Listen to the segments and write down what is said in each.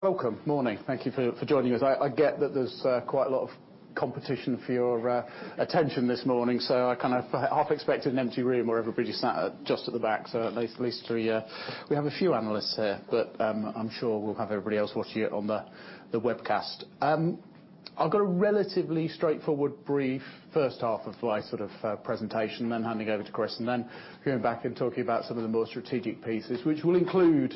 Welcome. Morning. Thank you for joining us. I get that there's quite a lot of competition for your attention this morning, so I half expected an empty room where everybody's sat just at the back. At least we have a few analysts here, but I'm sure we'll have everybody else watching it on the webcast. I've got a relatively straightforward, brief first half of my presentation, then handing over to Chris, and then coming back and talking about some of the more strategic pieces, which will include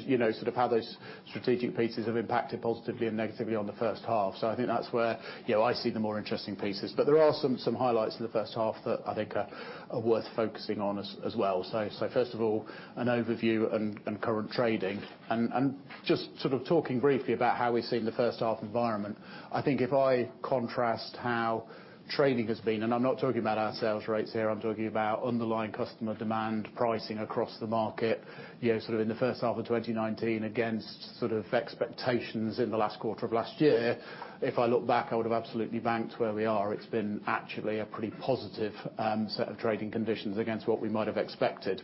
how those strategic pieces have impacted positively and negatively on the first half. I think that's where I see the more interesting pieces. There are some highlights in the first half that I think are worth focusing on as well. First of all, an overview and current trading, and just talking briefly about how we've seen the first half environment. I think if I contrast how trading has been, and I'm not talking about our sales rates here, I'm talking about underlying customer demand, pricing across the market in the first half of 2019 against expectations in the last quarter of last year. If I look back, I would've absolutely banked where we are. It's been actually a pretty positive set of trading conditions against what we might have expected.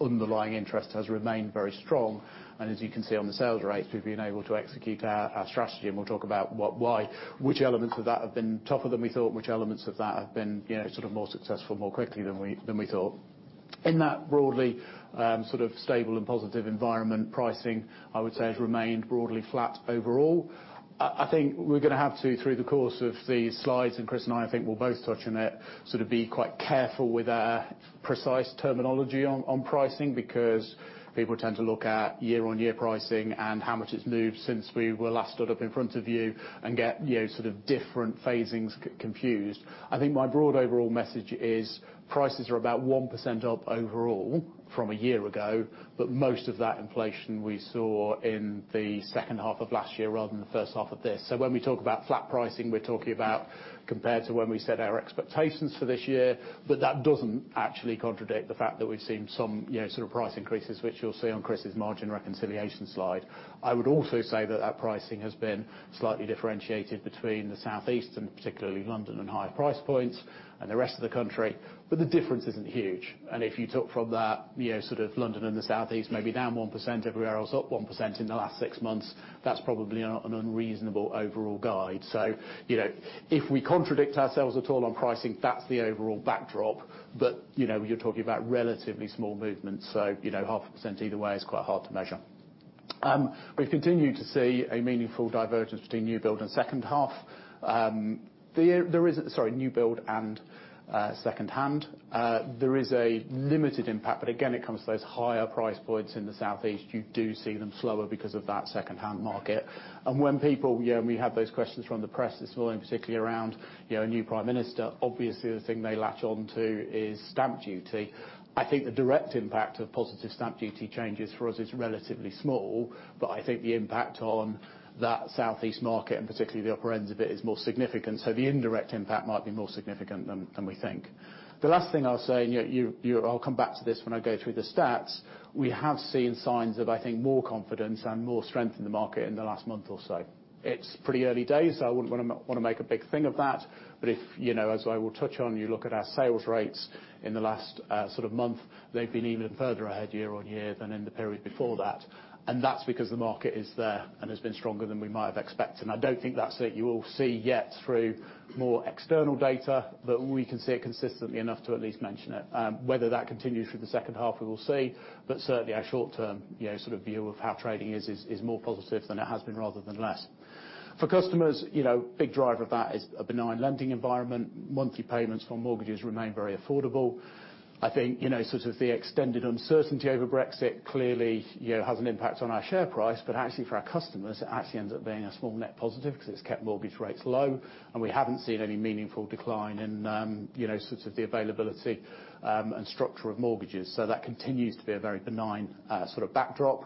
Underlying interest has remained very strong. As you can see on the sales rates, we've been able to execute our strategy. We'll talk about why, which elements of that have been tougher than we thought, which elements of that have been more successful more quickly than we thought. In that broadly stable and positive environment, pricing, I would say, has remained broadly flat overall. I think we're going to have to, through the course of the slides, and Chris and I think we'll both touch on it, be quite careful with our precise terminology on pricing, because people tend to look at year-on-year pricing and how much it's moved since we were last stood up in front of you and get different phasings confused. I think my broad overall message is prices are about 1% up overall from a year ago, but most of that inflation we saw in the second half of last year rather than the first half of this. When we talk about flat pricing, we're talking about compared to when we set our expectations for this year. That doesn't actually contradict the fact that we've seen some sort of price increases, which you'll see on Chris's margin reconciliation slide. I would also say that that pricing has been slightly differentiated between the southeast and particularly London and higher price points and the rest of the country. The difference isn't huge. If you took from that London and the southeast may be down 1%, everywhere else up 1% in the last six months, that's probably an unreasonable overall guide. If we contradict ourselves at all on pricing, that's the overall backdrop. You're talking about relatively small movements. Half a percent either way is quite hard to measure. We've continued to see a meaningful divergence between new build and second half. Sorry, new build and secondhand. There is a limited impact, but again, it comes to those higher price points in the southeast. You do see them slower because of that secondhand market. We had those questions from the press this morning, particularly around a new prime minister. Obviously, the thing they latch onto is stamp duty. I think the direct impact of positive stamp duty changes for us is relatively small, but I think the impact on that southeast market and particularly the upper ends of it is more significant. The indirect impact might be more significant than we think. The last thing I'll say, I'll come back to this when I go through the stats. We have seen signs of, I think, more confidence and more strength in the market in the last month or so. It's pretty early days, so I wouldn't want to make a big thing of that. If, as I will touch on, you look at our sales rates in the last month, they've been even further ahead year-on-year than in the period before that. That's because the market is there and has been stronger than we might have expected. I don't think that's it. You will see yet through more external data that we can see it consistently enough to at least mention it. Whether that continues through the second half, we will see. Certainly our short-term view of how trading is more positive than it has been rather than less. For customers, big driver of that is a benign lending environment. Monthly payments for mortgages remain very affordable. I think the extended uncertainty over Brexit clearly has an impact on our share price. Actually for our customers, it actually ends up being a small net positive because it's kept mortgage rates low and we haven't seen any meaningful decline in the availability and structure of mortgages. That continues to be a very benign backdrop.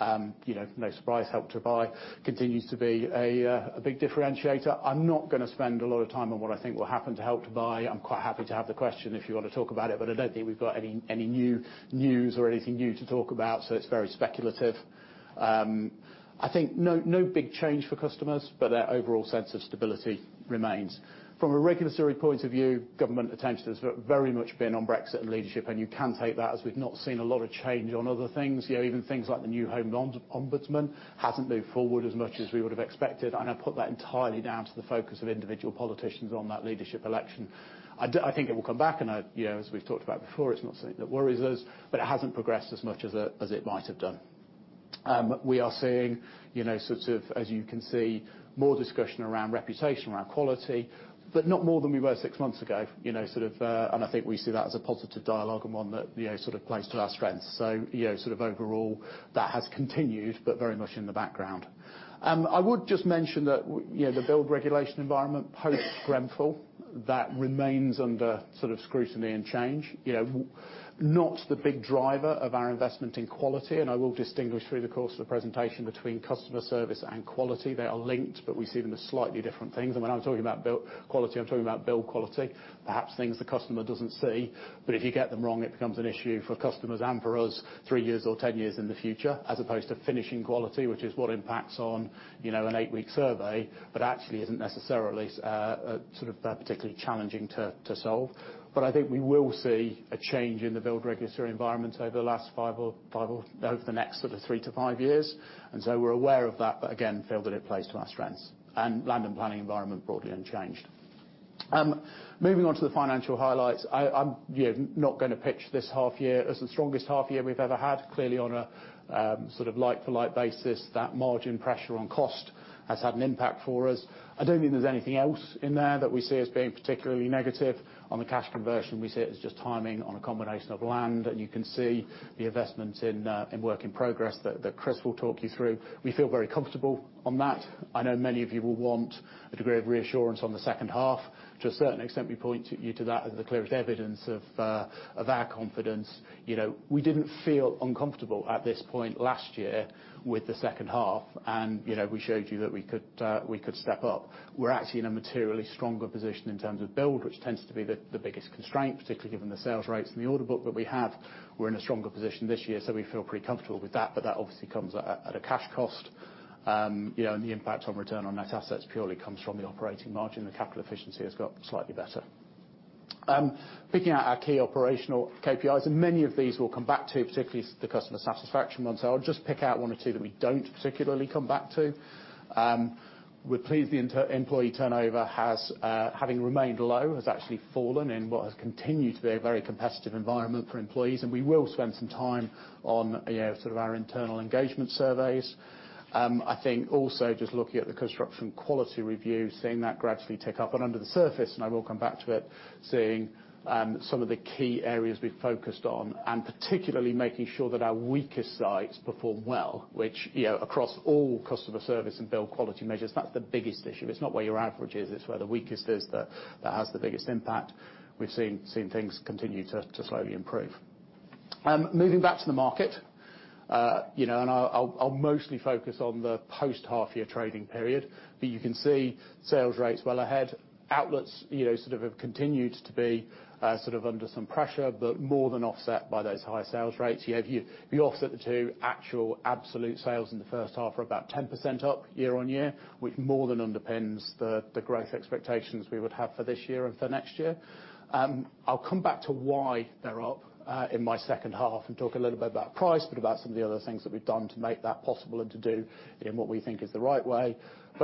No surprise, Help to Buy continues to be a big differentiator. I'm not going to spend a lot of time on what I think will happen to Help to Buy. I'm quite happy to have the question if you want to talk about it, but I don't think we've got any new news or anything new to talk about. It's very speculative. I think no big change for customers, but their overall sense of stability remains. From a regulatory point of view, government attention has very much been on Brexit and leadership. You can take that as we've not seen a lot of change on other things. Even things like the New Homes Ombudsman hasn't moved forward as much as we would have expected. I put that entirely down to the focus of individual politicians on that leadership election. I think it will come back. As we've talked about before, it's not something that worries us, but it hasn't progressed as much as it might have done. We are seeing, as you can see, more discussion around reputation, around quality, but not more than we were six months ago. I think we see that as a positive dialogue and one that plays to our strengths. Overall, that has continued, but very much in the background. I would just mention that the build regulation environment post Grenfell, that remains under scrutiny and change. Not the big driver of our investment in quality. I will distinguish through the course of the presentation between customer service and quality. They are linked, but we see them as slightly different things. When I'm talking about build quality, I'm talking about build quality. Perhaps things the customer doesn't see. If you get them wrong, it becomes an issue for customers and for us three years or 10 years in the future, as opposed to finishing quality, which is what impacts on an eight-week survey, but actually isn't necessarily particularly challenging to solve. I think we will see a change in the build regulatory environment over the next three to five years. We're aware of that, but again, feel that it plays to our strengths. Land and planning environment broadly unchanged. Moving on to the financial highlights. I'm not going to pitch this half year as the strongest half year we've ever had. Clearly on a like-for-like basis, that margin pressure on cost has had an impact for us. I don't think there's anything else in there that we see as being particularly negative. On the cash conversion, we see it as just timing on a combination of land, and you can see the investment in work in progress that Chris will talk you through. We feel very comfortable on that. I know many of you will want a degree of reassurance on the second half. To a certain extent, we point you to that as the clearest evidence of our confidence. We didn't feel uncomfortable at this point last year with the second half. We showed you that we could step up. We're actually in a materially stronger position in terms of build, which tends to be the biggest constraint, particularly given the sales rates and the order book that we have. We're in a stronger position this year, we feel pretty comfortable with that obviously comes at a cash cost. The impact on return on net assets purely comes from the operating margin. The capital efficiency has got slightly better. Picking out our key operational KPIs, many of these we'll come back to, particularly the customer satisfaction ones. I'll just pick out one or two that we don't particularly come back to. We're pleased the employee turnover, having remained low, has actually fallen in what has continued to be a very competitive environment for employees. We will spend some time on our internal engagement surveys. I think also just looking at the Construction Quality Review, seeing that gradually tick up. Under the surface, and I will come back to it, seeing some of the key areas we focused on, and particularly making sure that our weakest sites perform well, which across all customer service and build quality measures, that's the biggest issue. It's not where your average is, it's where the weakest is that has the biggest impact. We've seen things continue to slowly improve. Moving back to the market, I'll mostly focus on the post half year trading period. You can see sales rates well ahead. Outlets have continued to be under some pressure, more than offset by those higher sales rates. If you offset the two actual absolute sales in the first half are about 10% up year-over-year. Which more than underpins the growth expectations we would have for this year and for next year. I'll come back to why they're up in my second half and talk a little bit about price, about some of the other things that we've done to make that possible and to do in what we think is the right way.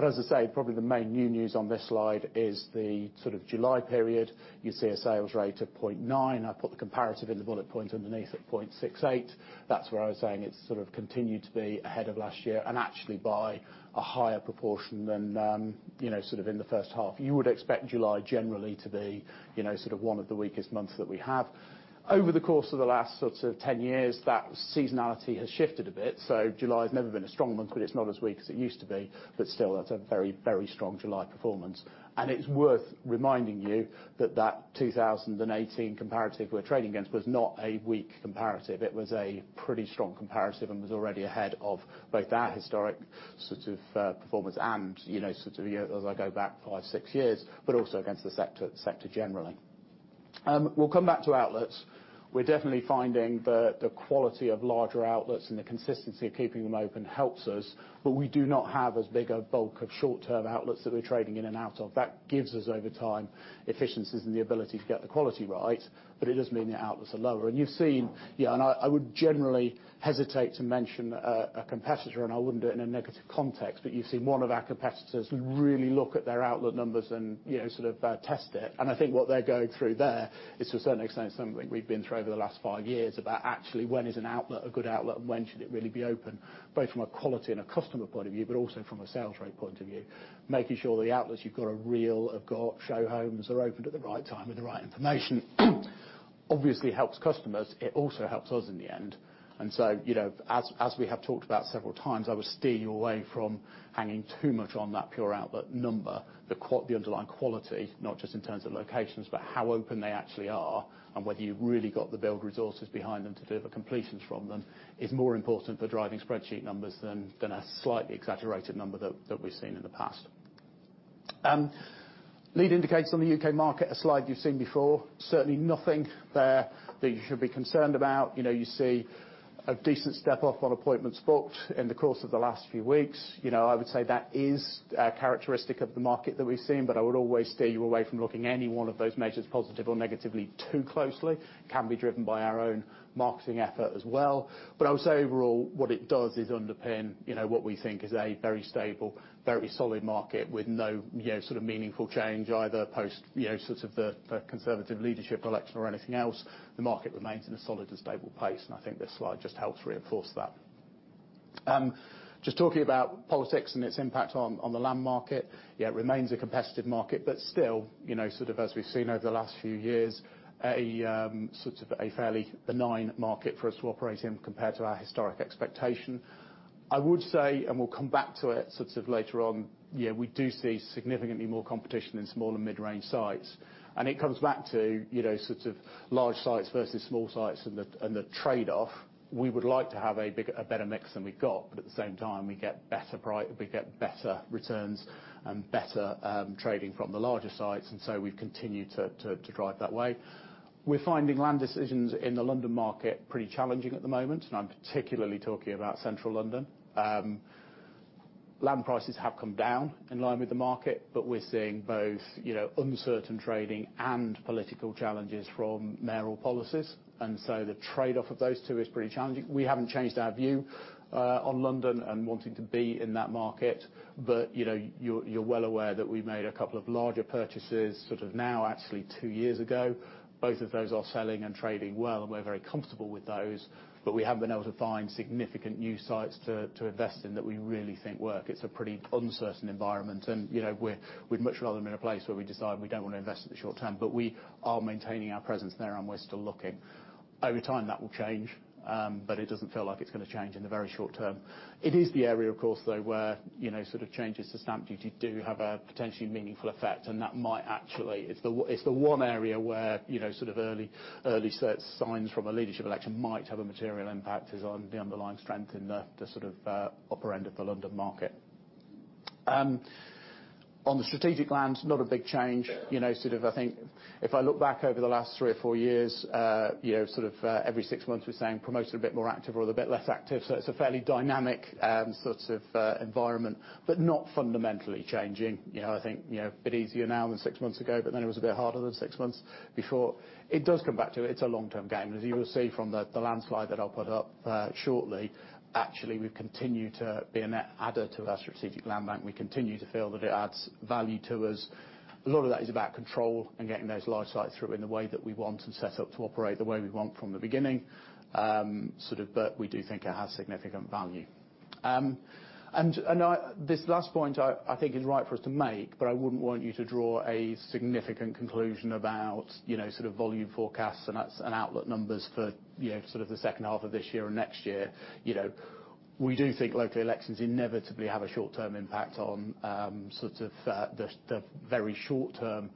As I say, probably the main new news on this slide is the July period. You see a sales rate of 0.9. I put the comparative in the bullet point underneath at 0.68. That's where I was saying it's continued to be ahead of last year and actually by a higher proportion than in the first half. You would expect July generally to be one of the weakest months that we have. Over the course of the last 10 years, that seasonality has shifted a bit. July has never been a strong month, but it's not as weak as it used to be. Still, that's a very strong July performance. It's worth reminding you that that 2018 comparative we're trading against was not a weak comparative. It was a pretty strong comparative and was already ahead of both our historic performance and as I go back five, six years, but also against the sector generally. We'll come back to outlets. We're definitely finding that the quality of larger outlets and the consistency of keeping them open helps us. We do not have as big a bulk of short-term outlets that we're trading in and out of. That gives us, over time, efficiencies and the ability to get the quality right. It does mean the outlets are lower. I would generally hesitate to mention a competitor, I wouldn't do it in a negative context, but you've seen one of our competitors really look at their outlet numbers and test it. I think what they're going through there is, to a certain extent, something we've been through over the last five years about actually when is an outlet a good outlet and when should it really be open, both from a quality and a customer point of view, but also from a sales rate point of view. Making sure the outlets you've got are real, have got show homes, are opened at the right time with the right information, obviously helps customers. It also helps us in the end. As we have talked about several times, I would steer you away from hanging too much on that pure outlet number. The underlying quality, not just in terms of locations, but how open they actually are and whether you've really got the build resources behind them to deliver completions from them is more important for driving spreadsheet numbers than a slightly exaggerated number that we've seen in the past. Lead indicators on the U.K. market, a slide you've seen before. Certainly nothing there that you should be concerned about. You see a decent step-up on appointments booked in the course of the last few weeks. I would say that is characteristic of the market that we've seen, but I would always steer you away from looking any one of those measures positive or negatively too closely. Can be driven by our own marketing effort as well. I would say overall, what it does is underpin what we think is a very stable, very solid market with no meaningful change either post the Conservative leadership election or anything else. The market remains in a solid and stable place, and I think this slide just helps reinforce that. Just talking about politics and its impact on the land market. It remains a competitive market, but still, as we've seen over the last few years, a fairly benign market for us to operate in compared to our historic expectation. I would say, and we'll come back to it later on, we do see significantly more competition in small and mid-range sites. It comes back to large sites versus small sites and the trade-off. We would like to have a better mix than we've got. At the same time, we get better returns and better trading from the larger sites. So we've continued to drive that way. We're finding land decisions in the London market pretty challenging at the moment, and I'm particularly talking about Central London. Land prices have come down in line with the market, but we're seeing both uncertain trading and political challenges from mayoral policies. So the trade-off of those two is pretty challenging. We haven't changed our view on London and wanting to be in that market. You're well aware that we made a couple of larger purchases, now, actually two years ago. Both of those are selling and trading well, and we're very comfortable with those. We haven't been able to find significant new sites to invest in that we really think work. It's a pretty uncertain environment, and we'd much rather them in a place where we decide we don't want to invest in the short term. We are maintaining our presence there, and we're still looking. Over time, that will change. It doesn't feel like it's going to change in the very short term. It is the area, of course, though, where changes to stamp duty do have a potentially meaningful effect. It's the one area where early signs from a leadership election might have a material impact is on the underlying strength in the upper end of the London market. On the strategic land, not a big change. I think if I look back over the last three or four years, every six months, we're saying promoted a bit more active or a bit less active. It's a fairly dynamic environment, but not fundamentally changing. I think a bit easier now than 6 months ago, then it was a bit harder than 6 months before. It does come back to it. It's a long-term game. As you will see from the slide that I'll put up shortly, actually, we've continued to be a net adder to our strategic land bank. We continue to feel that it adds value to us. A lot of that is about control and getting those large sites through in the way that we want and set up to operate the way we want from the beginning. We do think it has significant value. This last point I think is right for us to make, but I wouldn't want you to draw a significant conclusion about volume forecasts and outlook numbers for the second half of this year and next year. We do think local elections inevitably have a short term impact on the very short term,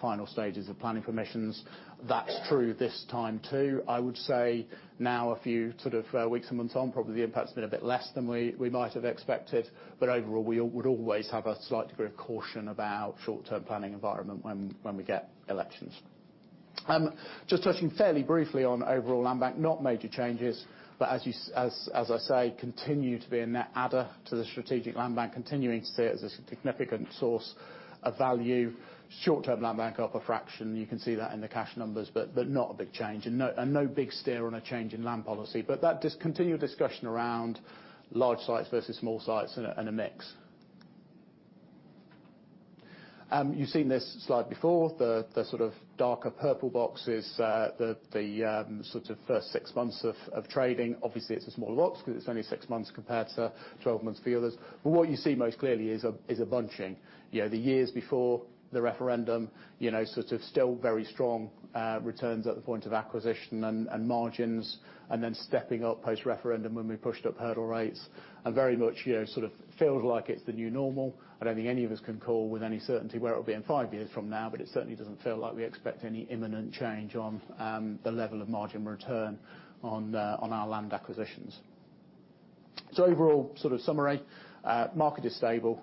final stages of planning permissions. That's true this time, too. I would say now, a few weeks and months on, probably the impact's been a bit less than we might have expected. Overall, we would always have a slight degree of caution about short-term planning environment when we get elections. Just touching fairly briefly on overall land bank, not major changes, but as I say, continue to be a net adder to the strategic land bank, continuing to see it as a significant source of value. Short-term land bank up a fraction. You can see that in the cash numbers, but not a big change. No big steer on a change in land policy. That continued discussion around large sites versus small sites and a mix. You've seen this slide before. The darker purple box is the first six months of trading. Obviously, it is a small lot because it is only six months compared to 12 months for the others. What you see most clearly is a bunching. The years before the referendum, still very strong returns at the point of acquisition and margins, then stepping up post-referendum when we pushed up hurdle rates. Very much feels like it is the new normal. I do not think any of us can call with any certainty where it will be in five years from now, but it certainly does not feel like we expect any imminent change on the level of margin return on our land acquisitions. Overall summary. Market is stable.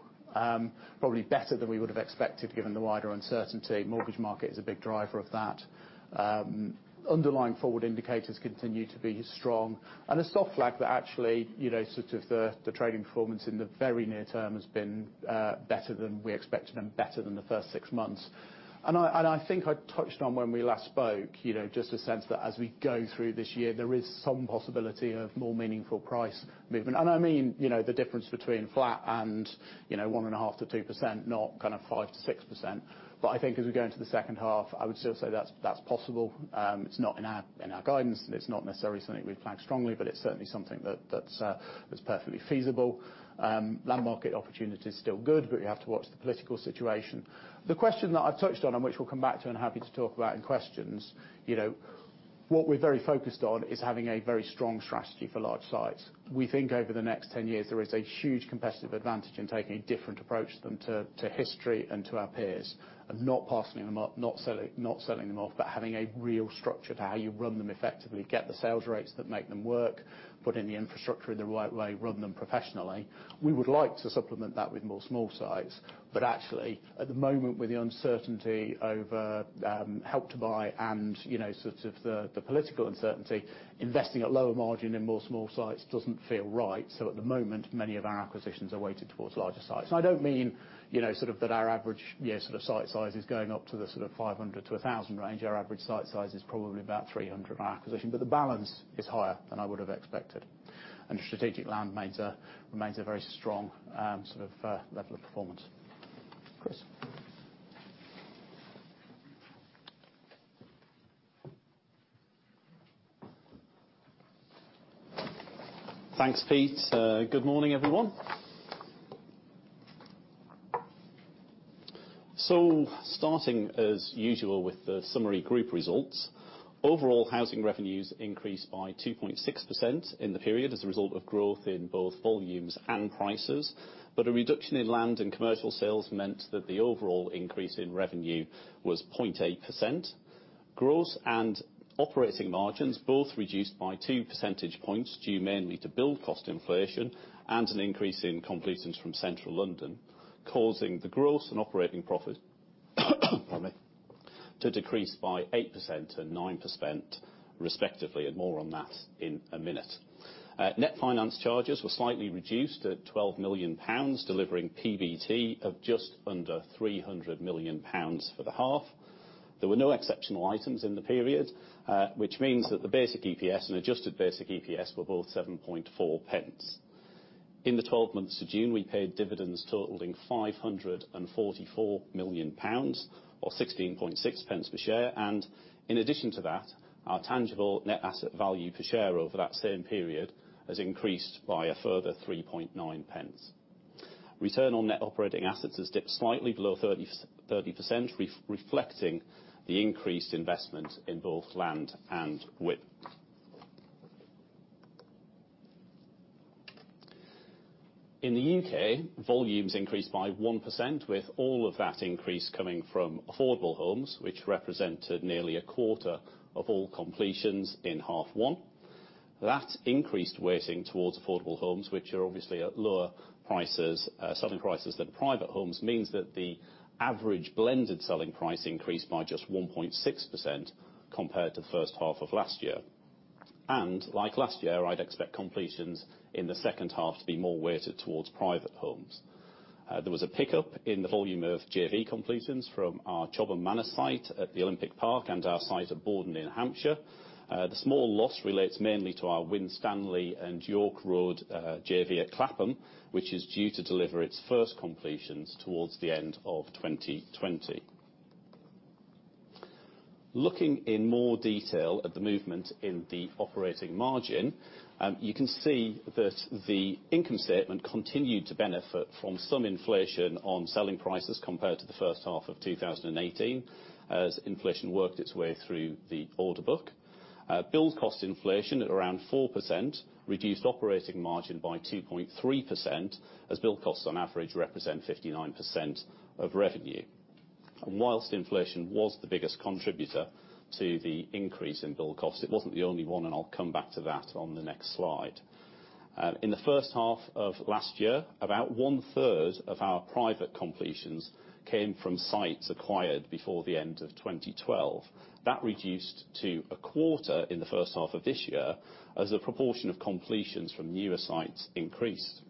Probably better than we would have expected given the wider uncertainty. Mortgage market is a big driver of that. Underlying forward indicators continue to be strong. A soft flag that actually, the trading performance in the very near term has been better than we expected and better than the first six months. I think I touched on when we last spoke, just a sense that as we go through this year, there is some possibility of more meaningful price movement. I mean the difference between flat and 1.5%-2%, not 5%-6%. I think as we go into the second half, I would still say that's possible. It's not in our guidance. It's not necessarily something we've flagged strongly, but it's certainly something that's perfectly feasible. Land market opportunity is still good, but you have to watch the political situation. The question that I've touched on, and which we'll come back to and happy to talk about in questions. What we're very focused on is having a very strong strategy for large sites. We think over the next 10 years, there is a huge competitive advantage in taking a different approach than to history and to our peers, not parceling them up, not selling them off, but having a real structure to how you run them effectively, get the sales rates that make them work, put in the infrastructure in the right way, run them professionally. We would like to supplement that with more small sites. Actually, at the moment, with the uncertainty over Help to Buy and the political uncertainty, investing at lower margin in more small sites doesn't feel right. At the moment, many of our acquisitions are weighted towards larger sites. I don't mean that our average unit site size is going up to the 500 to 1,000 range. Our average site size is probably about 300 per acquisition, but the balance is higher than I would have expected. Strategic land remains a very strong level of performance. Chris. Thanks, Pete. Good morning, everyone. Starting as usual with the summary group results. Overall housing revenues increased by 2.6% in the period as a result of growth in both volumes and prices. A reduction in land and commercial sales meant that the overall increase in revenue was 0.8%. Gross and operating margins both reduced by two percentage points, due mainly to build cost inflation and an increase in completions from Central London, causing the gross and operating profit to decrease by 8% and 9% respectively. Pardon me. More on that in a minute. Net finance charges were slightly reduced at 12 million pounds, delivering PBT of just under 300 million pounds for the half. There were no exceptional items in the period, which means that the basic EPS and adjusted basic EPS were both 0.074. In the 12 months to June, we paid dividends totaling 544 million pounds, or 0.166 per share. In addition to that, our tangible net asset value per share over that same period has increased by a further 0.039. Return on net operating assets has dipped slightly below 30%, reflecting the increased investment in both land and WIP. In the U.K., volumes increased by 1%, with all of that increase coming from affordable homes, which represented nearly a quarter of all completions in half one. That increased weighting towards affordable homes, which are obviously at lower selling prices than private homes, means that the average blended selling price increased by just 1.6% compared to the first half of last year. Like last year, I'd expect completions in the second half to be more weighted towards private homes. There was a pickup in the volume of JV completions from our Chobham Manor site at the Olympic Park and our site at Bordon in Hampshire. The small loss relates mainly to our Winstanley and York Road JV at Clapham, which is due to deliver its first completions towards the end of 2020. Looking in more detail at the movement in the operating margin, you can see that the income statement continued to benefit from some inflation on selling prices compared to the first half of 2018, as inflation worked its way through the order book. Build cost inflation at around 4% reduced operating margin by 2.3%, as build costs on average represent 59% of revenue. Whilst inflation was the biggest contributor to the increase in build costs, it wasn't the only one, and I'll come back to that on the next slide. In the first half of last year, about one-third of our private completions came from sites acquired before the end of 2012. That reduced to a quarter in the first half 1 of this year as the proportion of completions from newer sites increased.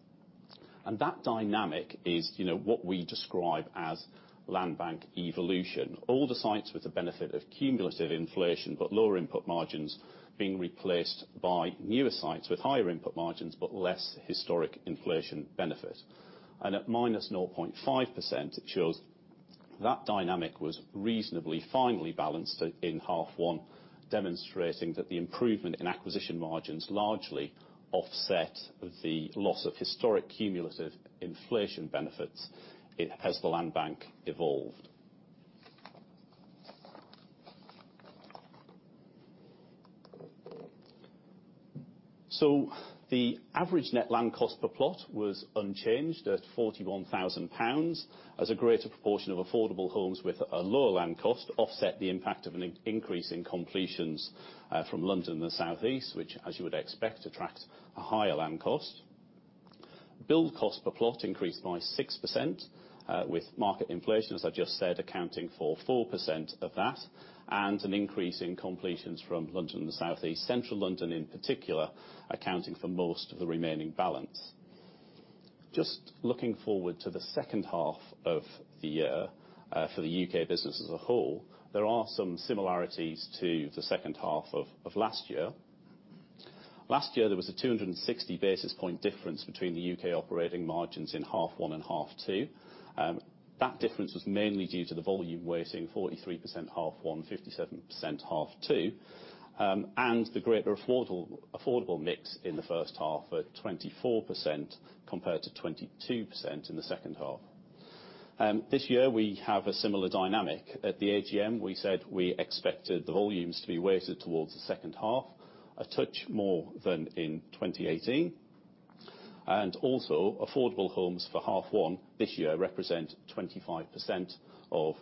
That dynamic is what we describe as land bank evolution. Older sites with the benefit of cumulative inflation, but lower input margins being replaced by newer sites with higher input margins, but less historic inflation benefit. At minus 0.5%, it shows that dynamic was reasonably finely balanced in half 1, demonstrating that the improvement in acquisition margins largely offset the loss of historic cumulative inflation benefits as the land bank evolved. The average net land cost per plot was unchanged at 41,000 pounds, as a greater proportion of affordable homes with a lower land cost offset the impact of an increase in completions from London and the Southeast, which, as you would expect, attract a higher land cost. Build cost per plot increased by 6%, with market inflation, as I've just said, accounting for 4% of that, and an increase in completions from London and the Southeast, Central London in particular, accounting for most of the remaining balance. Looking forward to the second half of the year, for the U.K. business as a whole, there are some similarities to the second half of last year. Last year, there was a 260 basis point difference between the U.K. operating margins in half one and half two. That difference was mainly due to the volume weighting, 43% half one, 57% half two, and the greater affordable mix in the first half at 24% compared to 22% in the second half. This year, we have a similar dynamic. At the AGM, we said we expected the volumes to be weighted towards the second half, a touch more than in 2018. Also, affordable homes for half one this half year represent 25% of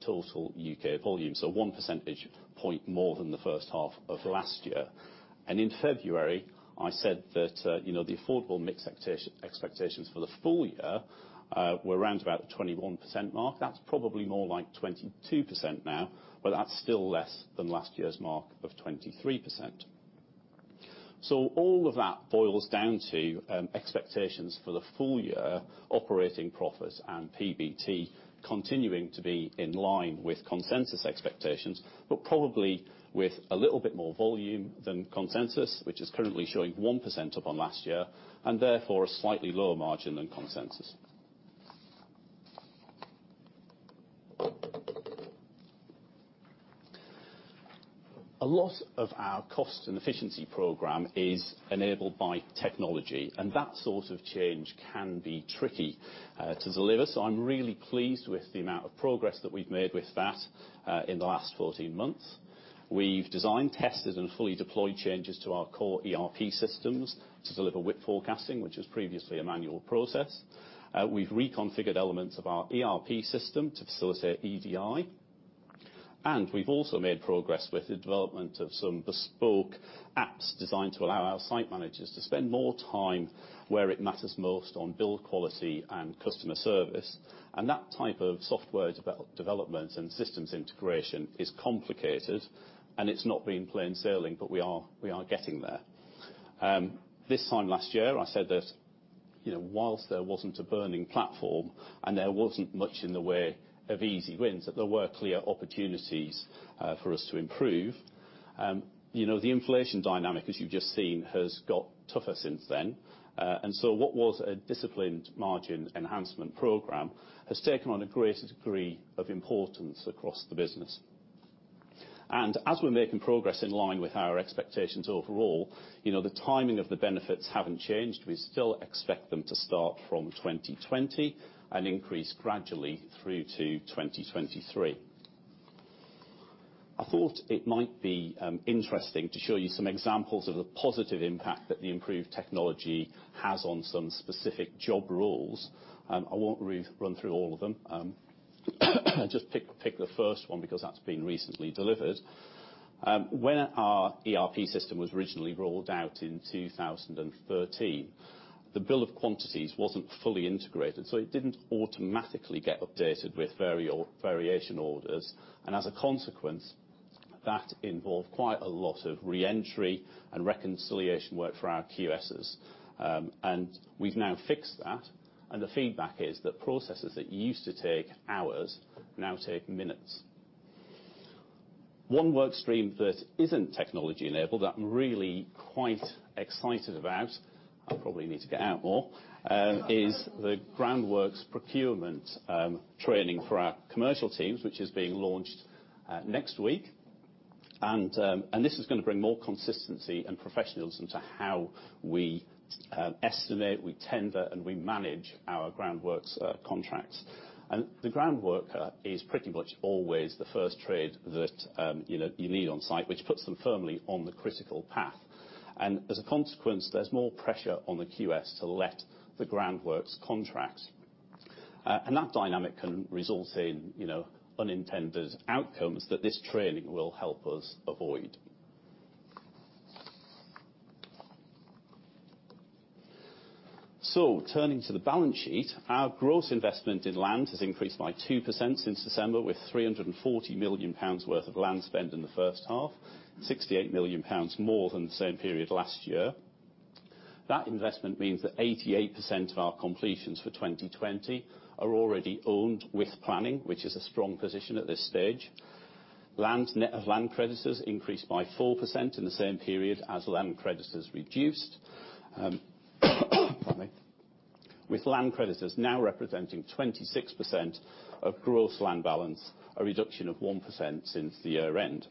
total U.K. volume. One percentage point more than the first half of last year. In February, I said that the affordable mix expectations for the full year were around about the 21% mark. That's probably more like 22% now, That's still less than last year's mark of 23%. All of that boils down to expectations for the full year operating profits and PBT continuing to be in line with consensus expectations, but probably with a little bit more volume than consensus, which is currently showing 1% up on last year, and therefore a slightly lower margin than consensus. A lot of our Cost and Efficiency Program is enabled by technology, and that sort of change can be tricky to deliver. I'm really pleased with the amount of progress that we've made with that in the last 14 months. We've designed, tested, and fully deployed changes to our core ERP systems to deliver WIP forecasting, which was previously a manual process. We've reconfigured elements of our ERP system to facilitate EDI. We've also made progress with the development of some bespoke apps designed to allow our site managers to spend more time where it matters most on build quality and customer service. That type of software development and systems integration is complicated, and it's not been plain sailing, but we are getting there. This time last year, I said that whilst there wasn't a burning platform and there wasn't much in the way of easy wins, that there were clear opportunities for us to improve. The inflation dynamic, as you've just seen, has got tougher since then. What was a disciplined margin enhancement program has taken on a greater degree of importance across the business. As we're making progress in line with our expectations overall, the timing of the benefits haven't changed. We still expect them to start from 2020 and increase gradually through to 2023. I thought it might be interesting to show you some examples of the positive impact that the improved technology has on some specific job roles. I won't really run through all of them. I'll just pick the first one because that's been recently delivered. When our ERP system was originally rolled out in 2013, the bill of quantities wasn't fully integrated, so it didn't automatically get updated with variation orders. As a consequence, that involved quite a lot of re-entry and reconciliation work for our QSs. We've now fixed that, and the feedback is that processes that used to take hours now take minutes. One work stream that isn't technology-enabled that I'm really quite excited about, I probably need to get out more, is the groundworks procurement training for our commercial teams, which is being launched next week. This is going to bring more consistency and professionalism to how we estimate, we tender, and we manage our groundworks contracts. The groundworker is pretty much always the first trade that you need on site, which puts them firmly on the critical path. As a consequence, there's more pressure on the QS to let the groundworks contract. That dynamic can result in unintended outcomes that this training will help us avoid. Turning to the balance sheet, our gross investment in land has increased by 2% since December, with 340 million pounds worth of land spend in the first half, 68 million pounds more than the same period last year. That investment means that 88% of our completions for 2020 are already owned with planning, which is a strong position at this stage. Net of land creditors increased by 4% in the same period as land creditors reduced. Pardon me. Land creditors now representing 26% of gross land balance, a reduction of 1% since the year-end.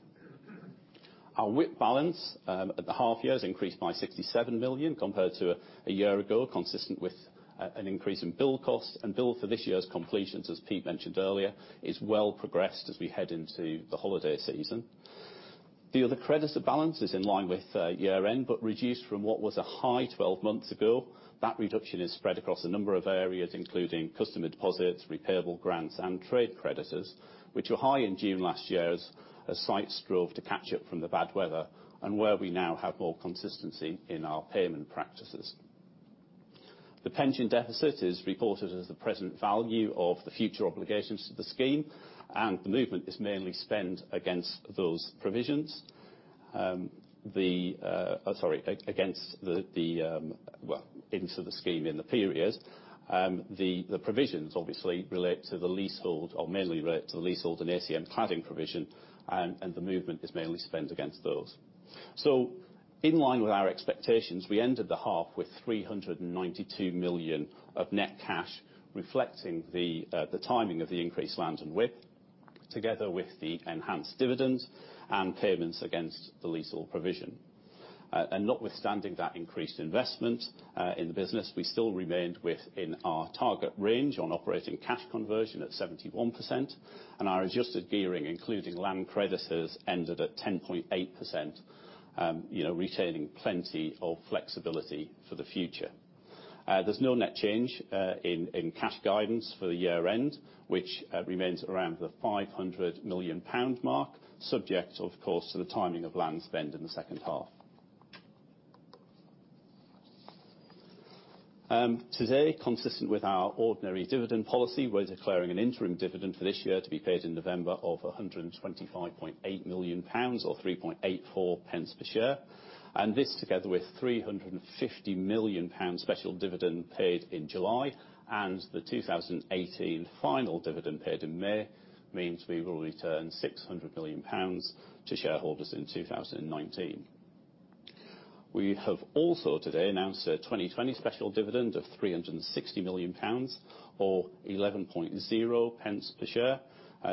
Our WIP balance at the half-year has increased by 67 million compared to a year ago, consistent with an increase in build cost and bill of quantities for this year's completions, as Pete mentioned earlier, is well progressed as we head into the holiday season. The other creditor balance is in line with year-end, but reduced from what was a high 12 months ago. That reduction is spread across a number of areas, including customer deposits, repayable grants, and trade creditors, which were high in June last year as sites drove to catch up from the bad weather and where we now have more consistency in our payment practices. The pension deficit is reported as the present value of the future obligations to the scheme, and the movement is mainly spent against those provisions. Sorry, into the scheme in the periods. The provisions obviously relate to the leasehold or mainly relate to the leasehold and ACM cladding provision, and the movement is mainly spent against those. In line with our expectations, we ended the half with 392 million of net cash, reflecting the timing of the increased lands and WIP, together with the enhanced dividend and payments against the leasehold provision. Notwithstanding that increased investment in the business, we still remained within our target range on operating cash conversion at 71%, and our adjusted gearing, including land creditors, ended at 10.8%, retaining plenty of flexibility for the future. There's no net change in cash guidance for the year end, which remains around the 500 million pound mark, subject, of course, to the timing of land spend in the second half. Today, consistent with our ordinary dividend policy, we're declaring an interim dividend for this year to be paid in November of 125.8 million pounds or 0.0384 per share. This, together with 350 million pounds special dividend paid in July and the 2018 final dividend paid in May, means we will return 600 million pounds to shareholders in 2019. We have also today announced a 2020 special dividend of 360 million pounds or 0.11 per share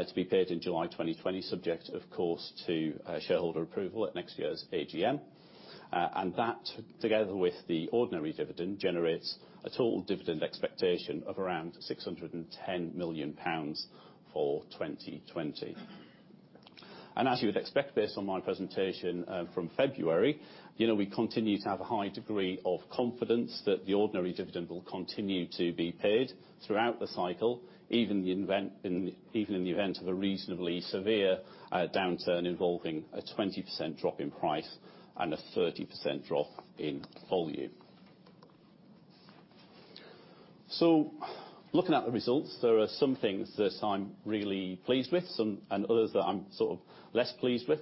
to be paid in July 2020, subject, of course, to shareholder approval at next year's AGM. That, together with the ordinary dividend, generates a total dividend expectation of around 610 million pounds for 2020. As you would expect based on my presentation from February, we continue to have a high degree of confidence that the ordinary dividend will continue to be paid throughout the cycle, even in the event of a reasonably severe downturn involving a 20% drop in price and a 30% drop in volume. Looking at the results, there are some things that I'm really pleased with and others that I'm sort of less pleased with.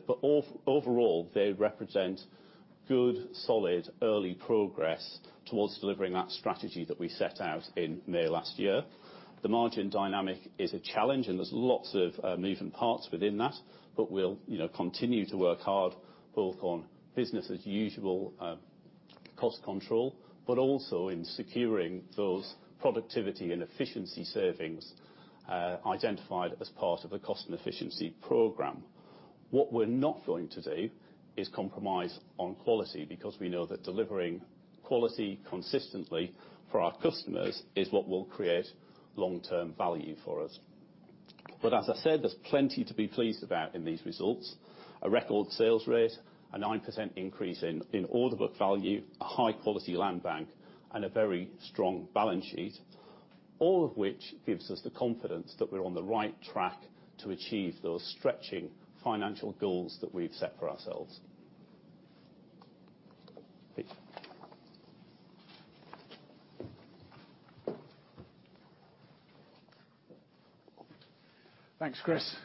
Overall, they represent good, solid, early progress towards delivering that strategy that we set out in May of last year. The margin dynamic is a challenge, and there's lots of moving parts within that. We'll continue to work hard both on business as usual cost control, but also in securing those productivity and efficiency savings identified as part of a Cost and Efficiency Program. What we're not going to do is compromise on quality, because we know that delivering quality consistently for our customers is what will create long-term value for us. As I said, there's plenty to be pleased about in these results. A record sales rate, a 9% increase in order book value, a high-quality land bank, and a very strong balance sheet, all of which gives us the confidence that we're on the right track to achieve those stretching financial goals that we've set for ourselves. Pete. Thanks, Chris.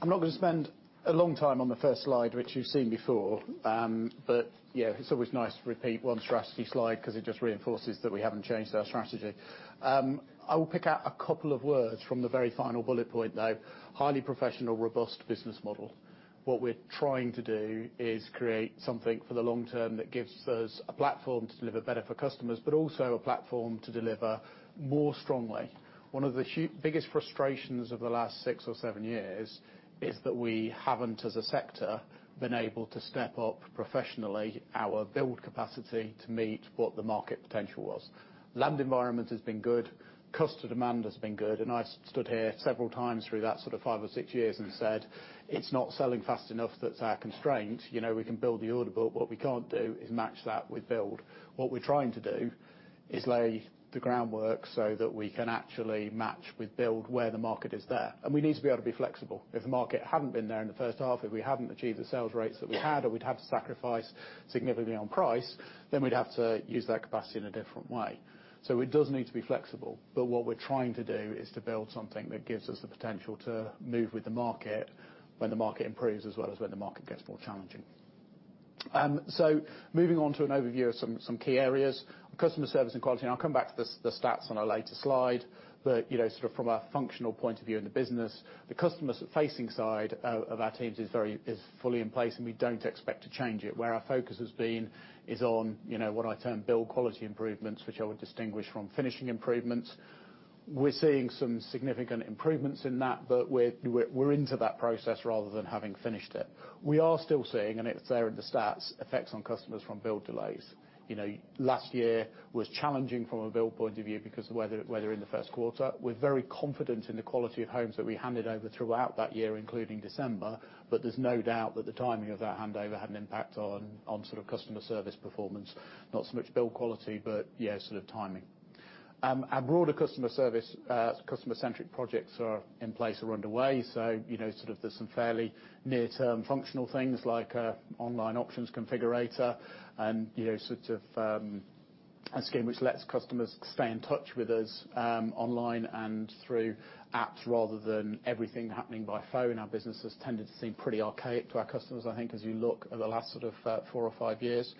I'm not going to spend a long time on the first slide, which you've seen before. Yeah, it's always nice to repeat one strategy slide, because it just reinforces that we haven't changed our strategy. I will pick out a couple of words from the very final bullet point, though. Highly professional, robust business model. What we're trying to do is create something for the long term that gives us a platform to deliver better for customers, but also a platform to deliver more strongly. One of the biggest frustrations of the last six or seven years is that we haven't, as a sector, been able to step up professionally our build capacity to meet what the market potential was. Land environment has been good, customer demand has been good. I stood here several times through that sort of five or six years and said, "It's not selling fast enough that's our constraint." We can build the order, what we can't do is match that with build. What we're trying to do is lay the groundwork so that we can actually match with build where the market is there. We need to be able to be flexible. If the market hadn't been there in the first half, if we hadn't achieved the sales rates that we had, or we'd have to sacrifice significantly on price, then we'd have to use that capacity in a different way. It does need to be flexible. What we're trying to do is to build something that gives us the potential to move with the market when the market improves, as well as when the market gets more challenging. Moving on to an overview of some key areas. Customer service and quality, I'll come back to the stats on a later slide. Sort of from a functional point of view in the business, the customer-facing side of our teams is fully in place, and we don't expect to change it. Where our focus has been is on what I term build quality improvements, which I would distinguish from finishing improvements. We're seeing some significant improvements in that, but we're into that process rather than having finished it. We are still seeing, and it's there in the stats, effects on customers from build delays. Last year was challenging from a build point of view because of weather in the first quarter. We're very confident in the quality of homes that we handed over throughout that year, including December, but there's no doubt that the timing of that handover had an impact on customer service performance. Not so much build quality, but sort of timing. Our broader customer service customer-centric projects are in place, are underway. There's some fairly near-term functional things like online options configurator, and sort of a scheme which lets customers stay in touch with us online and through apps rather than everything happening by phone. Our business has tended to seem pretty archaic to our customers, I think, as you look over the last sort of four or five years.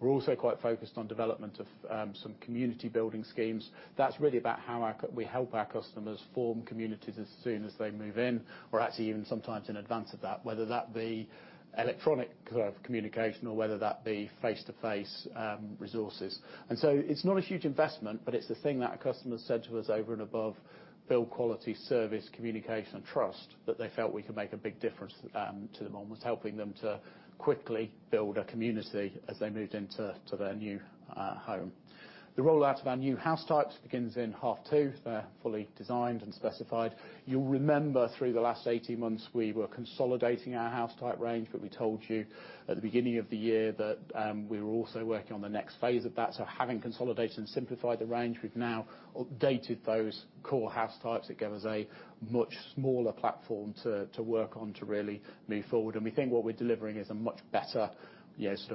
We're also quite focused on development of some community building schemes. That's really about how we help our customers form communities as soon as they move in. Actually even sometimes in advance of that, whether that be electronic communication or whether that be face-to-face resources. It's not a huge investment, but it's the thing that customers said to us over and above build quality, service, communication, and trust, that they felt we could make a big difference to them on, was helping them to quickly build a community as they moved into their new home. The rollout of our new house types begins in half two. They're fully designed and specified. You'll remember through the last 18 months, we were consolidating our house type range, but we told you at the beginning of the year that we were also working on the next phase of that. Having consolidated and simplified the range, we've now updated those core house types that give us a much smaller platform to work on to really move forward. We think what we're delivering is a much better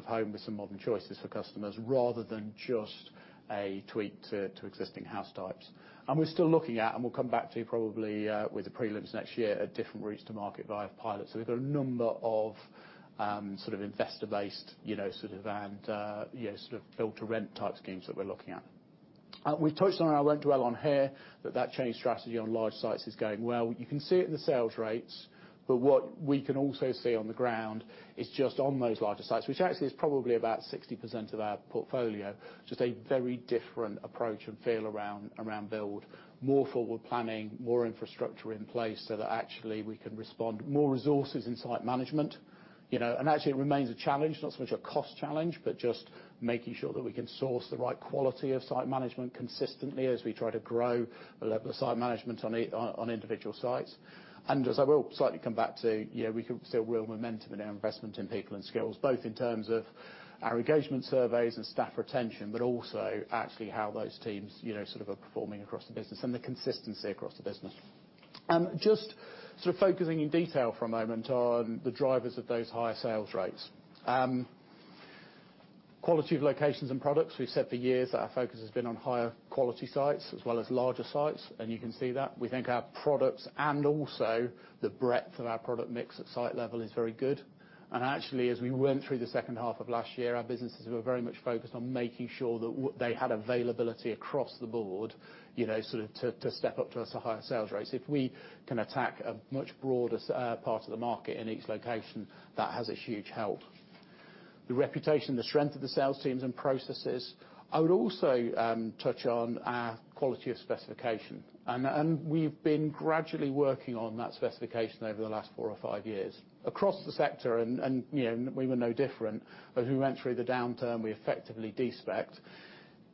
home with some modern choices for customers, rather than just a tweak to existing house types. We're still looking at, and we'll come back to you probably with the prelims next year, at different routes to market via pilots. We've got a number of sort of investor based and build-to-rent type schemes that we're looking at. We've touched on and I won't dwell on here that change strategy on large sites is going well. You can see it in the sales rates. What we can also see on the ground is just on those larger sites, which actually is probably about 60% of our portfolio, just a very different approach and feel around build. More forward planning, more infrastructure in place so that actually we can respond. More resources in site management. Actually, it remains a challenge, not so much a cost challenge, but just making sure that we can source the right quality of site management consistently as we try to grow the level of site management on individual sites. As I will slightly come back to, we can see a real momentum in our investment in people and skills, both in terms of our engagement surveys and staff retention, but also actually how those teams sort of are performing across the business and the consistency across the business. Just focusing in detail for a moment on the drivers of those higher sales rates. Quality of locations and products, we've said for years that our focus has been on higher quality sites as well as larger sites, and you can see that. We think our products and also the breadth of our product mix at site level is very good. Actually, as we went through the second half of last year, our businesses were very much focused on making sure that they had availability across the board to step up to higher sales rates. If we can attack a much broader part of the market in each location, that has a huge help. The reputation, the strength of the sales teams and processes. I would also touch on our quality of specification. We've been gradually working on that specification over the last four or five years. Across the sector, and we were no different, as we went through the downturn, we effectively de-spec'd.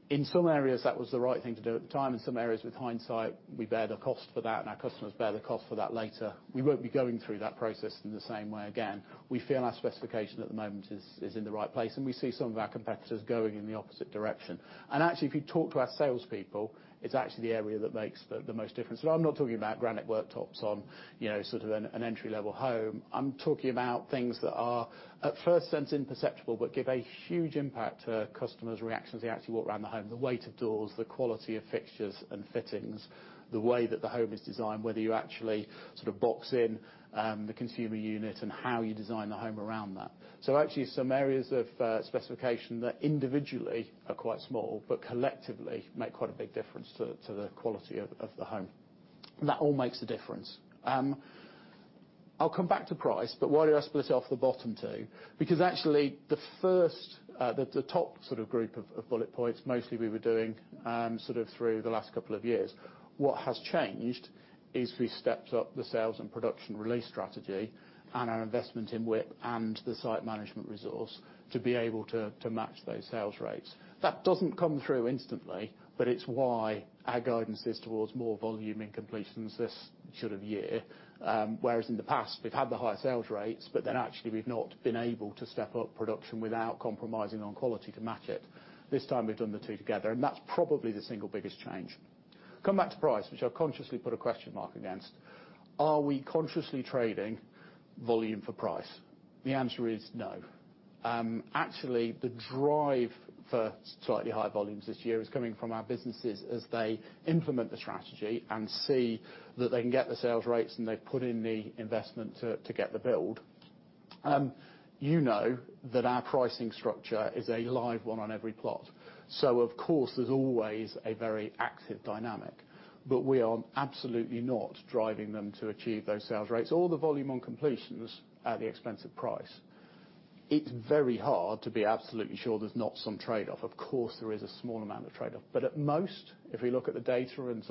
In some areas, that was the right thing to do at the time. In some areas, with hindsight, we bear the cost for that, and our customers bear the cost for that later. We won't be going through that process in the same way again. We feel our specification at the moment is in the right place, and we see some of our competitors going in the opposite direction. Actually, if you talk to our salespeople, it's actually the area that makes the most difference. I'm not talking about granite worktops on an entry-level home. I'm talking about things that are at first sense imperceptible, but give a huge impact to customers' reactions as they actually walk around the home. The weight of doors, the quality of fixtures and fittings, the way that the home is designed, whether you actually box in the consumer unit and how you design the home around that. Actually, some areas of specification that individually are quite small, but collectively make quite a big difference to the quality of the home. That all makes a difference. I'll come back to price, but why did I split it off the bottom two? Actually, the top group of bullet points, mostly we were doing through the last couple of years. What has changed is we stepped up the sales and production release strategy and our investment in WIP and the site management resource to be able to match those sales rates. That doesn't come through instantly. It's why our guidance is towards more volume in completions this year. Whereas in the past, we've had the higher sales rates, actually we've not been able to step up production without compromising on quality to match it. This time we've done the two together. That's probably the single biggest change. Come back to price, which I've consciously put a question mark against. Are we consciously trading volume for price? The answer is no. Actually, the drive for slightly higher volumes this year is coming from our businesses as they implement the strategy and see that they can get the sales rates, and they've put in the investment to get the build. Of course, there's always a very active dynamic. We are absolutely not driving them to achieve those sales rates or the volume on completions at the expense of price. It's very hard to be absolutely sure there's not some trade-off. Of course, there is a small amount of trade-off. At most, if we look at the data and